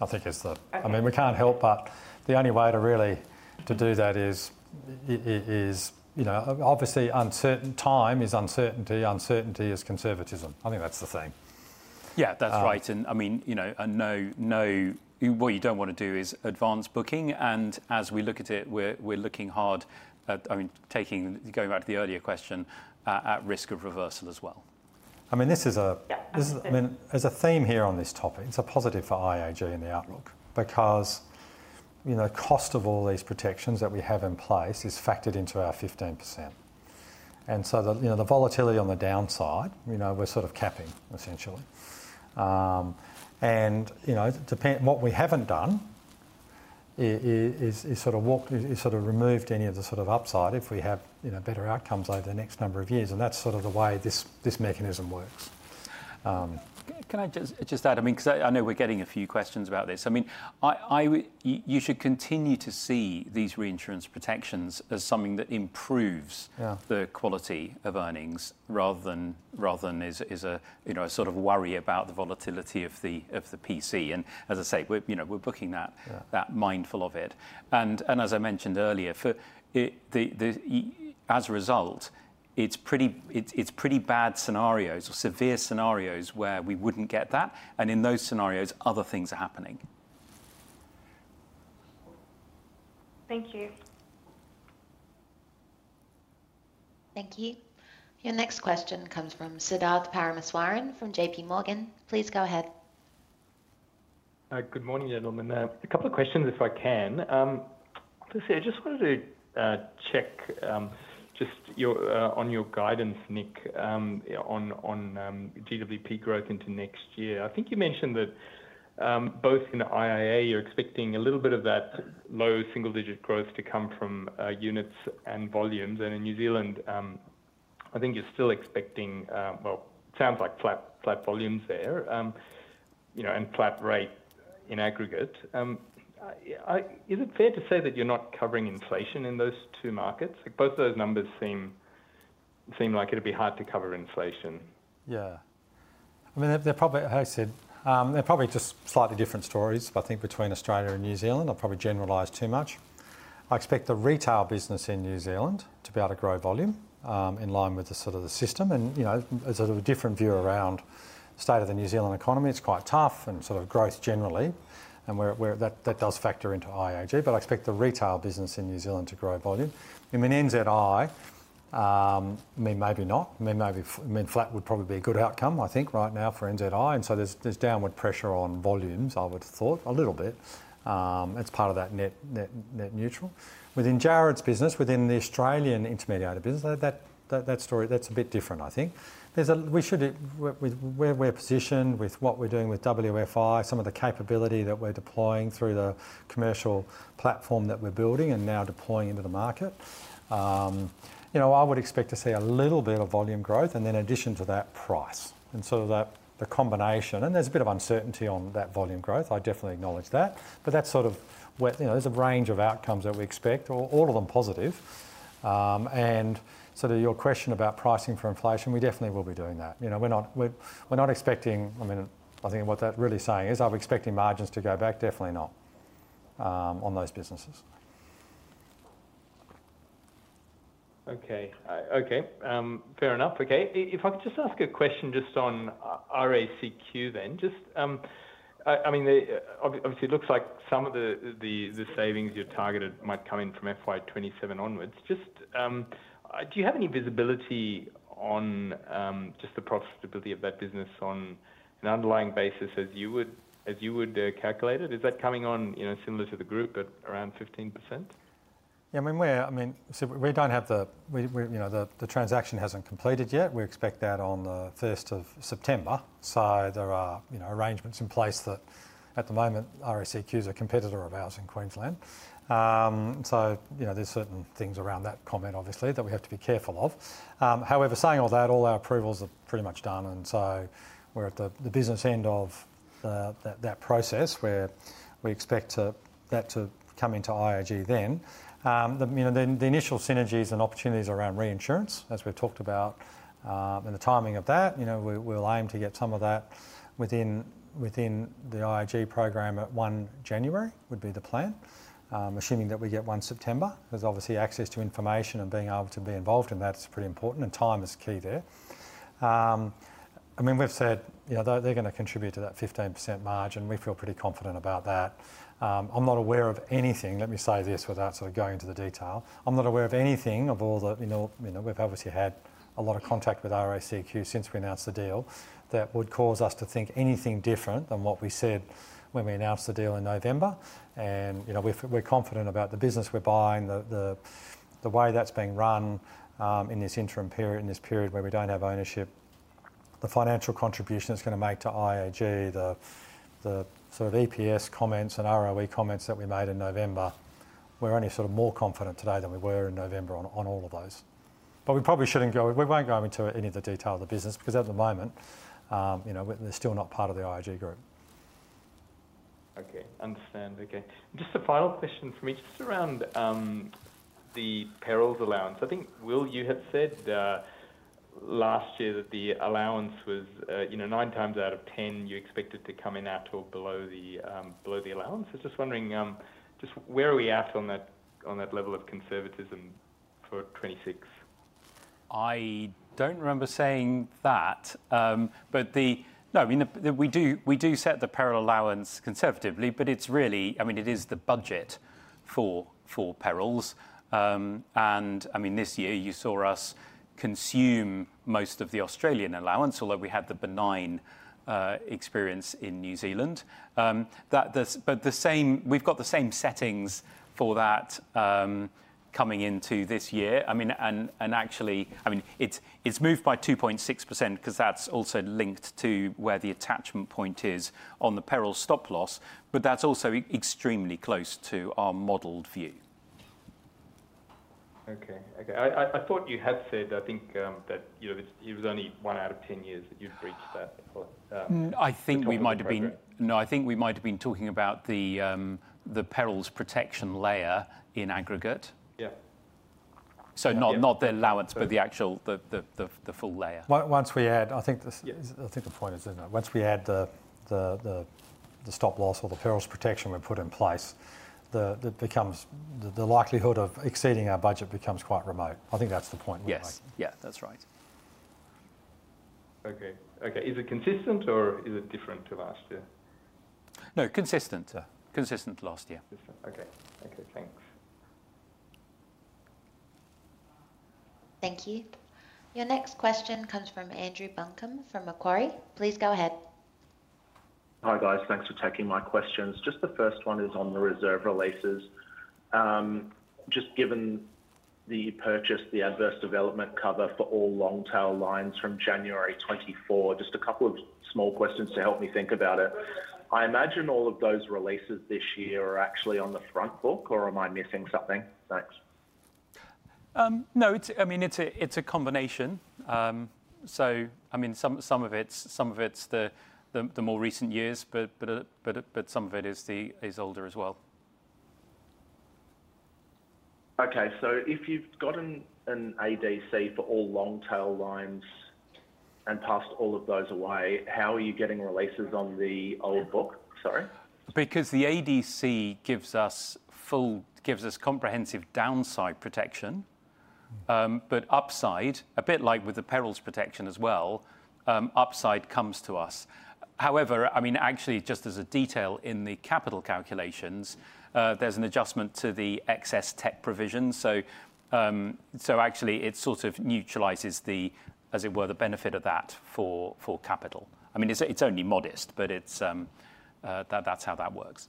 I think it's the, I mean, we can't help that. The only way to really do that is, you know, obviously uncertain. Time is uncertainty. Uncertainty is conservatism. I think that's the thing. Yeah, that's right. No, what you don't want to do is advance booking. As we look at it, we're looking hard at, I mean, taking, going back to the earlier question, at risk of reversal as well. This is a theme here on this topic. It's a positive for Insurance Australia Group in the outlook because, you know, the cost of all these protections that we have in place is factored into our 15%. The volatility on the downside, you know, we're sort of capping essentially. What we haven't done is sort of removed any of the sort of upside if we have, you know, better outcomes over the next number of years. That's sort of the way this mechanism works. Can I just add, because I know we're getting a few questions about this. You should continue to see these reinsurance protections as something that improves the quality of earnings rather than as a worry about the volatility of the PCA. As I say, we're booking that mindful of it. As I mentioned earlier, as a result, it's pretty bad scenarios or severe scenarios where we wouldn't get that. In those scenarios, other things are happening. Thank you. Thank you. Your next question comes from Siddharth Parameswaran from JP Morgan. Please go ahead. Good morning, gentlemen. A couple of questions if I can. Let's see, I just wanted to check on your guidance, Nick, on GWP growth into next year. I think you mentioned that both in IAG, you're expecting a little bit of that low single-digit growth to come from units and volumes. In New Zealand, I think you're still expecting, it sounds like flat volumes there, you know, and flat rate in aggregate. Is it fair to say that you're not covering inflation in those two markets? Both of those numbers seem like it'd be hard to cover inflation. Yeah. I mean, they're probably, as I said, they're probably just slightly different stories, I think, between Australia and New Zealand. I'll probably generalize too much. I expect the retail business in New Zealand to be able to grow volume in line with the sort of the system. You know, as a different view around the state of the New Zealand economy, it's quite tough and sort of growth generally. That does factor into Insurance Australia Group, but I expect the retail business in New Zealand to grow volume. NZI, maybe not. Maybe, I mean, flat would probably be a good outcome, I think, right now for NZI. There's downward pressure on volumes, I would have thought, a little bit. It's part of that net neutral. Within Jarrod's business, within the Australian intermediated business, that story, that's a bit different, I think. Where we're positioned with what we're doing with WFI, some of the capability that we're deploying through the commercial platform that we're building and now deploying into the market, I would expect to see a little bit of volume growth and then in addition to that price. The combination, and there's a bit of uncertainty on that volume growth, I definitely acknowledge that. That's sort of where, you know, there's a range of outcomes that we expect, all of them positive. Your question about pricing for inflation, we definitely will be doing that. We're not expecting, I mean, I think what that's really saying is, I'm expecting margins to go back, definitely not on those businesses. Okay. Fair enough. If I could just ask a question on Royal Automobile Club of Queensland then, obviously it looks like some of the savings you're targeted might come in from FY 2027 onwards. Do you have any visibility on the profitability of that business on an underlying basis as you would calculate it? Is that coming on similar to the group, but around 15%? Yeah, we don't have the, you know, the transaction hasn't completed yet. We expect that on the 1st of September. There are arrangements in place that at the moment, Royal Automobile Club of Queensland is a competitor of ours in Queensland. There are certain things around that comment, obviously, that we have to be careful of. However, saying all that, all our approvals are pretty much done. We're at the business end of that process where we expect that to come into Insurance Australia Group then. The initial synergies and opportunities around reinsurance, as we've talked about, and the timing of that, we'll aim to get some of that within the Insurance Australia Group program at 1 January would be the plan. Assuming that we get 1 September, there's obviously access to information and being able to be involved in that's pretty important. Time is key there. We've said they're going to contribute to that 15% margin. We feel pretty confident about that. I'm not aware of anything. Let me say this without sort of going into the detail. I'm not aware of anything of all the, we've obviously had a lot of contact with Royal Automobile Club of Queensland since we announced the deal that would cause us to think anything different than what we said when we announced the deal in November. We're confident about the business we're buying, the way that's being run in this interim period, in this period where we don't have ownership, the financial contribution it's going to make to Insurance Australia Group, the sort of EPS comments and ROE comments that we made in November. We're only more confident today than we were in November on all of those. We probably shouldn't go, we won't go into any of the detail of the business because at the moment, they're still not part of the Insurance Australia Group. Okay, understand. Just a final question for me, just around the perils allowance. I think, Will, you had said last year that the allowance was, you know, nine times out of 10, you expect it to come in at or below the allowance. I was just wondering, just where are we at on that level of conservatism for 2026? I don't remember saying that, but no, I mean, we do set the peril allowance conservatively, but it's really, I mean, it is the budget for perils. I mean, this year you saw us consume most of the Australian allowance, although we had the benign experience in New Zealand. We have the same settings for that coming into this year. Actually, it's moved by 2.6% because that's also linked to where the attachment point is on the peril stop loss. That's also extremely close to our modeled view. Okay. I thought you had said, I think that, you know, it was only one out of 10 years that you've reached that. I think we might have been talking about the perils protection layer in aggregate. Yeah. Not the allowance, but the actual, the full layer. Once we add, I think the point is, isn't it? Once we add the stop loss or the perils protection we put in place, the likelihood of exceeding our budget becomes quite remote. I think that's the point. Yes, that's right. Okay. Is it consistent or is it different to last year? No, consistent, consistent to last year. Different. Okay, thanks. Thank you. Your next question comes from Andrew Buncombe from Macquarie. Please go ahead. Hi guys, thanks for taking my questions. Just the first one is on the reserve releases. Just given the purchase, the adverse development cover for all long tail lines from January 2024, just a couple of small questions to help me think about it. I imagine all of those releases this year are actually on the front book, or am I missing something? Thanks. No, I mean, it's a combination. Some of it's the more recent years, but some of it is older as well. Okay, if you've got an adverse development cover for all long tail lines and passed all of those away, how are you getting releases on the old book? Sorry. Because the adverse development cover gives us full, gives us comprehensive downside protection, but upside, a bit like with the perils volatility cover as well, upside comes to us. However, actually just as a detail in the capital calculations, there's an adjustment to the excess technical provision. Actually, it sort of neutralizes the, as it were, the benefit of that for capital. It's only modest, but that's how that works.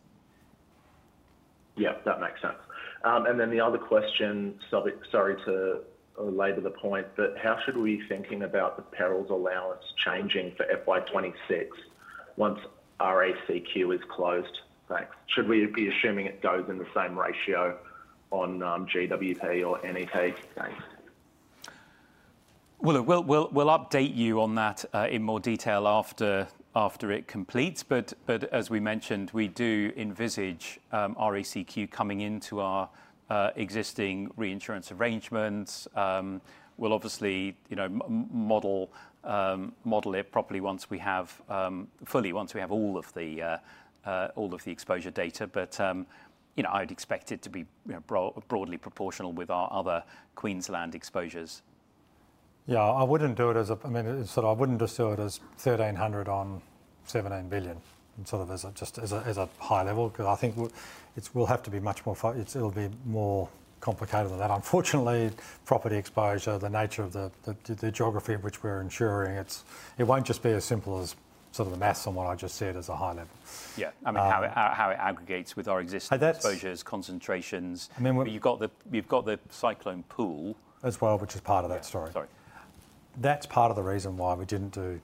Yeah, that makes sense. The other question, sorry to labor the point, but how should we be thinking about the perils allowance changing for FY 2026 once Royal Automobile Club of Queensland is closed? Thanks. Should we be assuming it goes in the same ratio on GWP or any take? We'll update you on that in more detail after it completes. As we mentioned, we do envisage RACQ coming into our existing reinsurance arrangements. We'll obviously model it properly once we have all of the exposure data. I'd expect it to be broadly proportional with our other Queensland exposures. Yeah, I wouldn't do it as a, I mean, I wouldn't just do it as $3,900 on $79 billion as a high level because I think it will have to be much more, it'll be more complicated than that. Unfortunately, property exposure, the nature of the geography of which we're insuring, it won't just be as simple as the maths on what I just said as a high level. Yeah, I mean, how it aggregates with our existing exposures, concentrations. I mean, you've got the cyclone pool. As well, which is part of that story. That's part of the reason why we didn't do,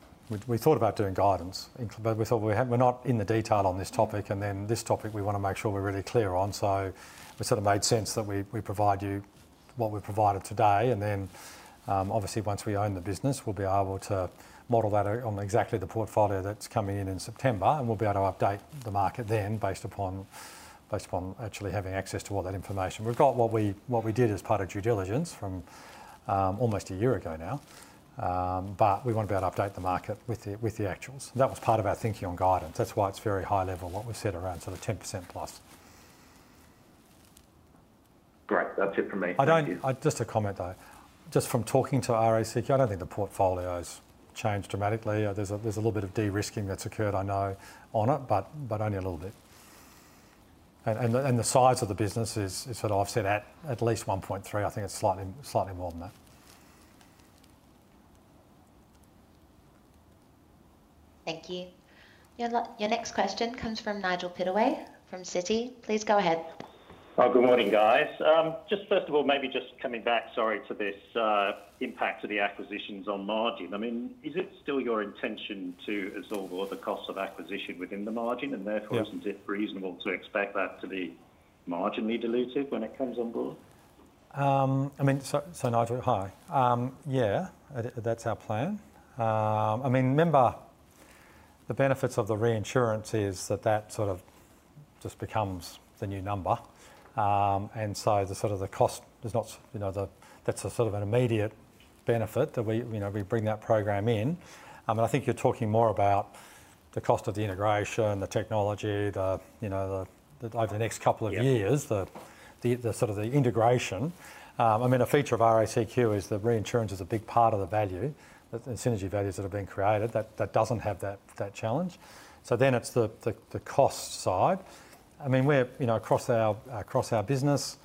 we thought about doing guidance. We thought we're not in the detail on this topic, and this topic we want to make sure we're really clear on. It sort of made sense that we provide you what we've provided today. Obviously, once we own the business, we'll be able to model that on exactly the portfolio that's coming in in September, and we'll be able to update the market then based upon actually having access to all that information. We've got what we did as part of due diligence from almost a year ago now, but we want to be able to update the market with the actuals. That was part of our thinking on guidance. That's why it's very high level, what we've said around sort of 10%+. Great, that's it for me. Just a comment though, just from talking to Royal Automobile Club of Queensland, I don't think the portfolios changed dramatically. There's a little bit of de-risking that's occurred, I know, on it, but only a little bit. The size of the business is, I've said, at least $1.3 billion. I think it's slightly more than that. Thank you. Your next question comes from Nigel Pittaway from Citi. Please go ahead. Good morning, guys. First of all, maybe just coming back to this impact of the acquisitions on margin. Is it still your intention to absorb all the costs of acquisition within the margin? Therefore, is it reasonable to expect that to be marginally dilutive when it comes on board? I mean, so Nigel, hi. Yeah, that's our plan. Remember, the benefits of the reinsurance is that that sort of just becomes the new number. The cost is not, you know, that's a sort of an immediate benefit that we, you know, we bring that program in. I think you're talking more about the cost of the integration, the technology, the, you know, over the next couple of years, the sort of the integration. A feature of Royal Automobile Club of Queensland is that reinsurance is a big part of the value, the synergy values that have been created, that doesn't have that challenge. It's the cost side. We're, you know, across our business,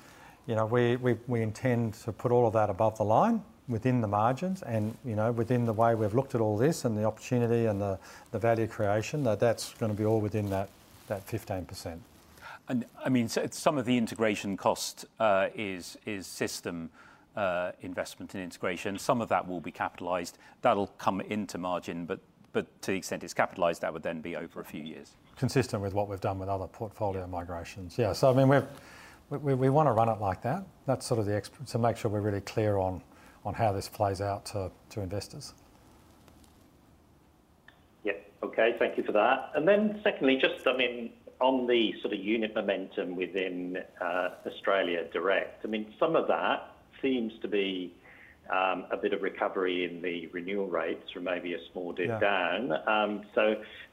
we intend to put all of that above the line within the margins and, you know, within the way we've looked at all this and the opportunity and the value creation, that's going to be all within that 15%. Some of the integration cost is system investment in integration. Some of that will be capitalized. That'll come into margin, but to the extent it's capitalized, that would then be over a few years. Consistent with what we've done with other portfolio migrations, we want to run it like that. That's sort of the expert to make sure we're really clear on how this plays out to investors. Okay. Thank you for that. On the sort of unit momentum within Australia Direct, some of that seems to be a bit of recovery in the renewal rates or maybe a small dip down.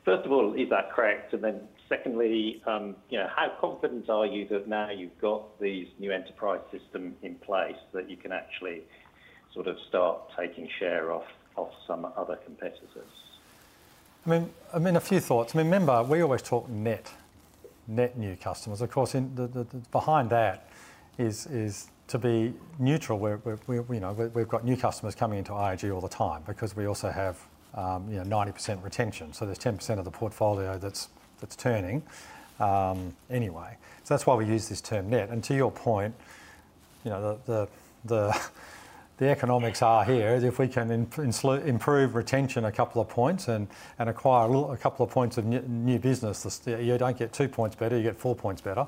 First of all, is that correct? Secondly, you know, how confident are you that now you've got these new enterprise systems in place that you can actually sort of start taking share off some other competitors? A few thoughts. Remember, we always talk net, net new customers. Of course, behind that is to be neutral. We've got new customers coming into Insurance Australia Group all the time because we also have, you know, 90% retention. There's 10% of the portfolio that's turning anyway. That's why we use this term net. To your point, the economics here is if we can improve retention a couple of points and acquire a couple of points of new business, you don't get two points better, you get four points better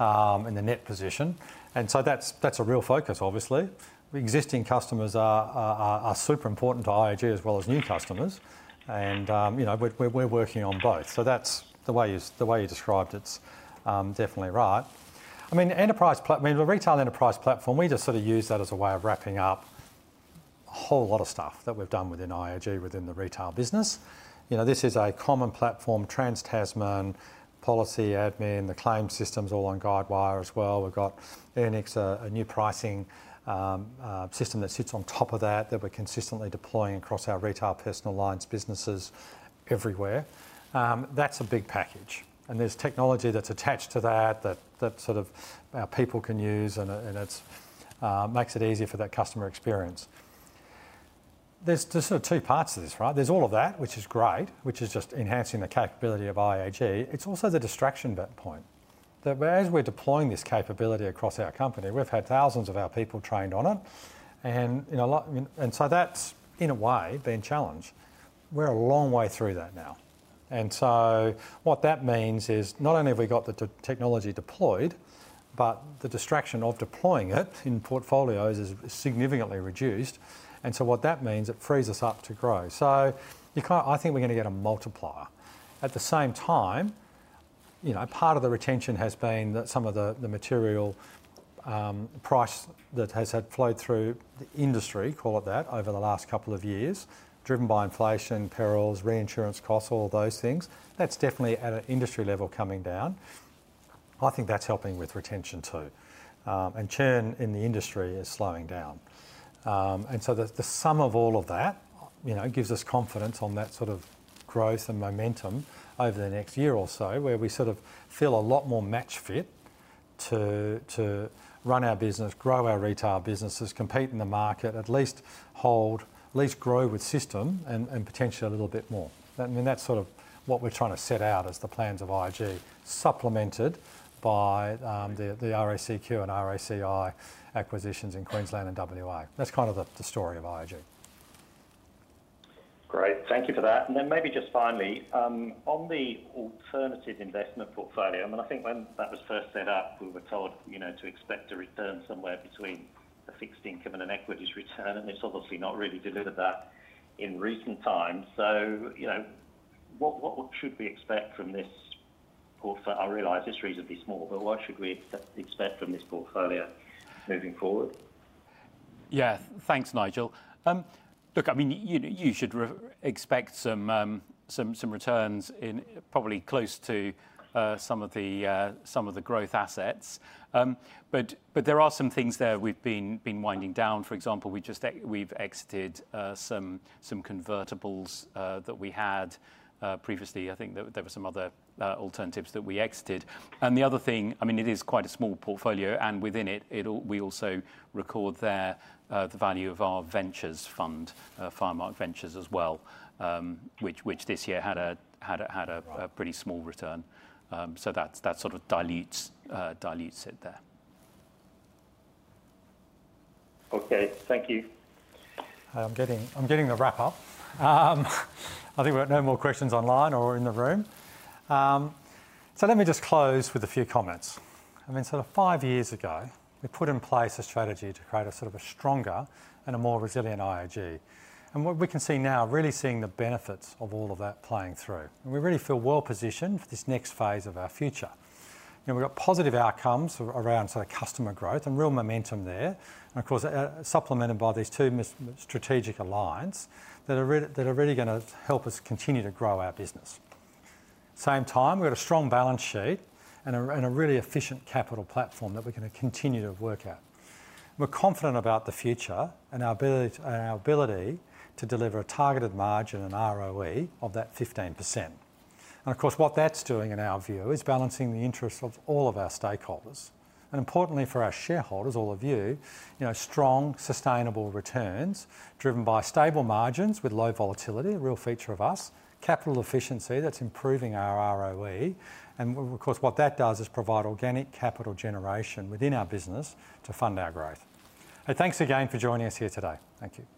in the net position. That's a real focus, obviously. Existing customers are super important to Insurance Australia Group as well as new customers. We're working on both. The way you described it is definitely right. The retail enterprise platform, we just sort of use that as a way of wrapping up a whole lot of stuff that we've done within Insurance Australia Group, within the retail business. This is a common platform, TransTasman, Policy Admin, the claim systems all on Guidewire as well. We've got Anix, a new pricing system that sits on top of that, that we're consistently deploying across our retail personal lines businesses everywhere. That's a big package. There's technology that's attached to that, that people can use, and it makes it easy for that customer experience. There are just sort of two parts to this, right? There's all of that, which is great, which is just enhancing the capability of Insurance Australia Group. It's also the distraction point that as we're deploying this capability across our company, we've had thousands of our people trained on it. In a way, that's been a challenge. We're a long way through that now. What that means is not only have we got the technology deployed, but the distraction of deploying it in portfolios is significantly reduced. What that means is it frees us up to grow. I think we're going to get a multiplier. At the same time, part of the retention has been that some of the material price that has flowed through the industry, call it that, over the last couple of years, driven by inflation, perils, reinsurance costs, all of those things. That's definitely at an industry level coming down. I think that's helping with retention too. Churn in the industry is slowing down. The sum of all of that gives us confidence on that sort of growth and momentum over the next year or so, where we sort of feel a lot more match fit to run our business, grow our retail businesses, compete in the market, at least hold, at least grow with system and potentially a little bit more. I mean, that's sort of what we're trying to set out as the plans of Insurance Australia Group, supplemented by the Royal Automobile Club of Queensland and Royal Automobile Club of Western Australia acquisitions in Queensland and WA. That's kind of the story of Insurance Australia Group. Great. Thank you for that. Maybe just finally, on the alternative investment portfolio, I think when that was first set up, we were told to expect a return somewhere between a fixed income and an equities return, and it's obviously not really delivered that in recent times. What should we expect from this portfolio? I realize it's reasonably small, but what should we expect from this portfolio moving forward? Yeah, thanks, Nigel. Look, I mean, you should expect some returns in probably close to some of the growth assets. There are some things there we've been winding down. For example, we've exited some convertibles that we had previously. I think there were some other alternatives that we exited. The other thing, I mean, it is quite a small portfolio, and within it, we also record there the value of our ventures fund, far mark ventures as well, which this year had a pretty small return. That sort of dilutes it there. Okay, thank you. I'm getting a wrap-up. I think we've got no more questions online or in the room. Let me just close with a few comments. I mean, sort of five years ago, we put in place a strategy to create a sort of a stronger and a more resilient Insurance Australia Group. What we can see now, really seeing the benefits of all of that playing through. We really feel well positioned for this next phase of our future. You know, we've got positive outcomes around sort of customer growth and real momentum there. Of course, supplemented by these two strategic alliances that are really going to help us continue to grow our business. At the same time, we've got a strong balance sheet and a really efficient capital platform that we're going to continue to work out. We're confident about the future and our ability to deliver a targeted margin and ROE of that 15%. What that's doing in our view is balancing the interests of all of our stakeholders. Importantly for our shareholders, all of you, you know, strong, sustainable returns driven by stable margins with low volatility, a real feature of us, capital efficiency that's improving our ROE. What that does is provide organic capital generation within our business to fund our growth. Hey, thanks again for joining us here today. Thank you.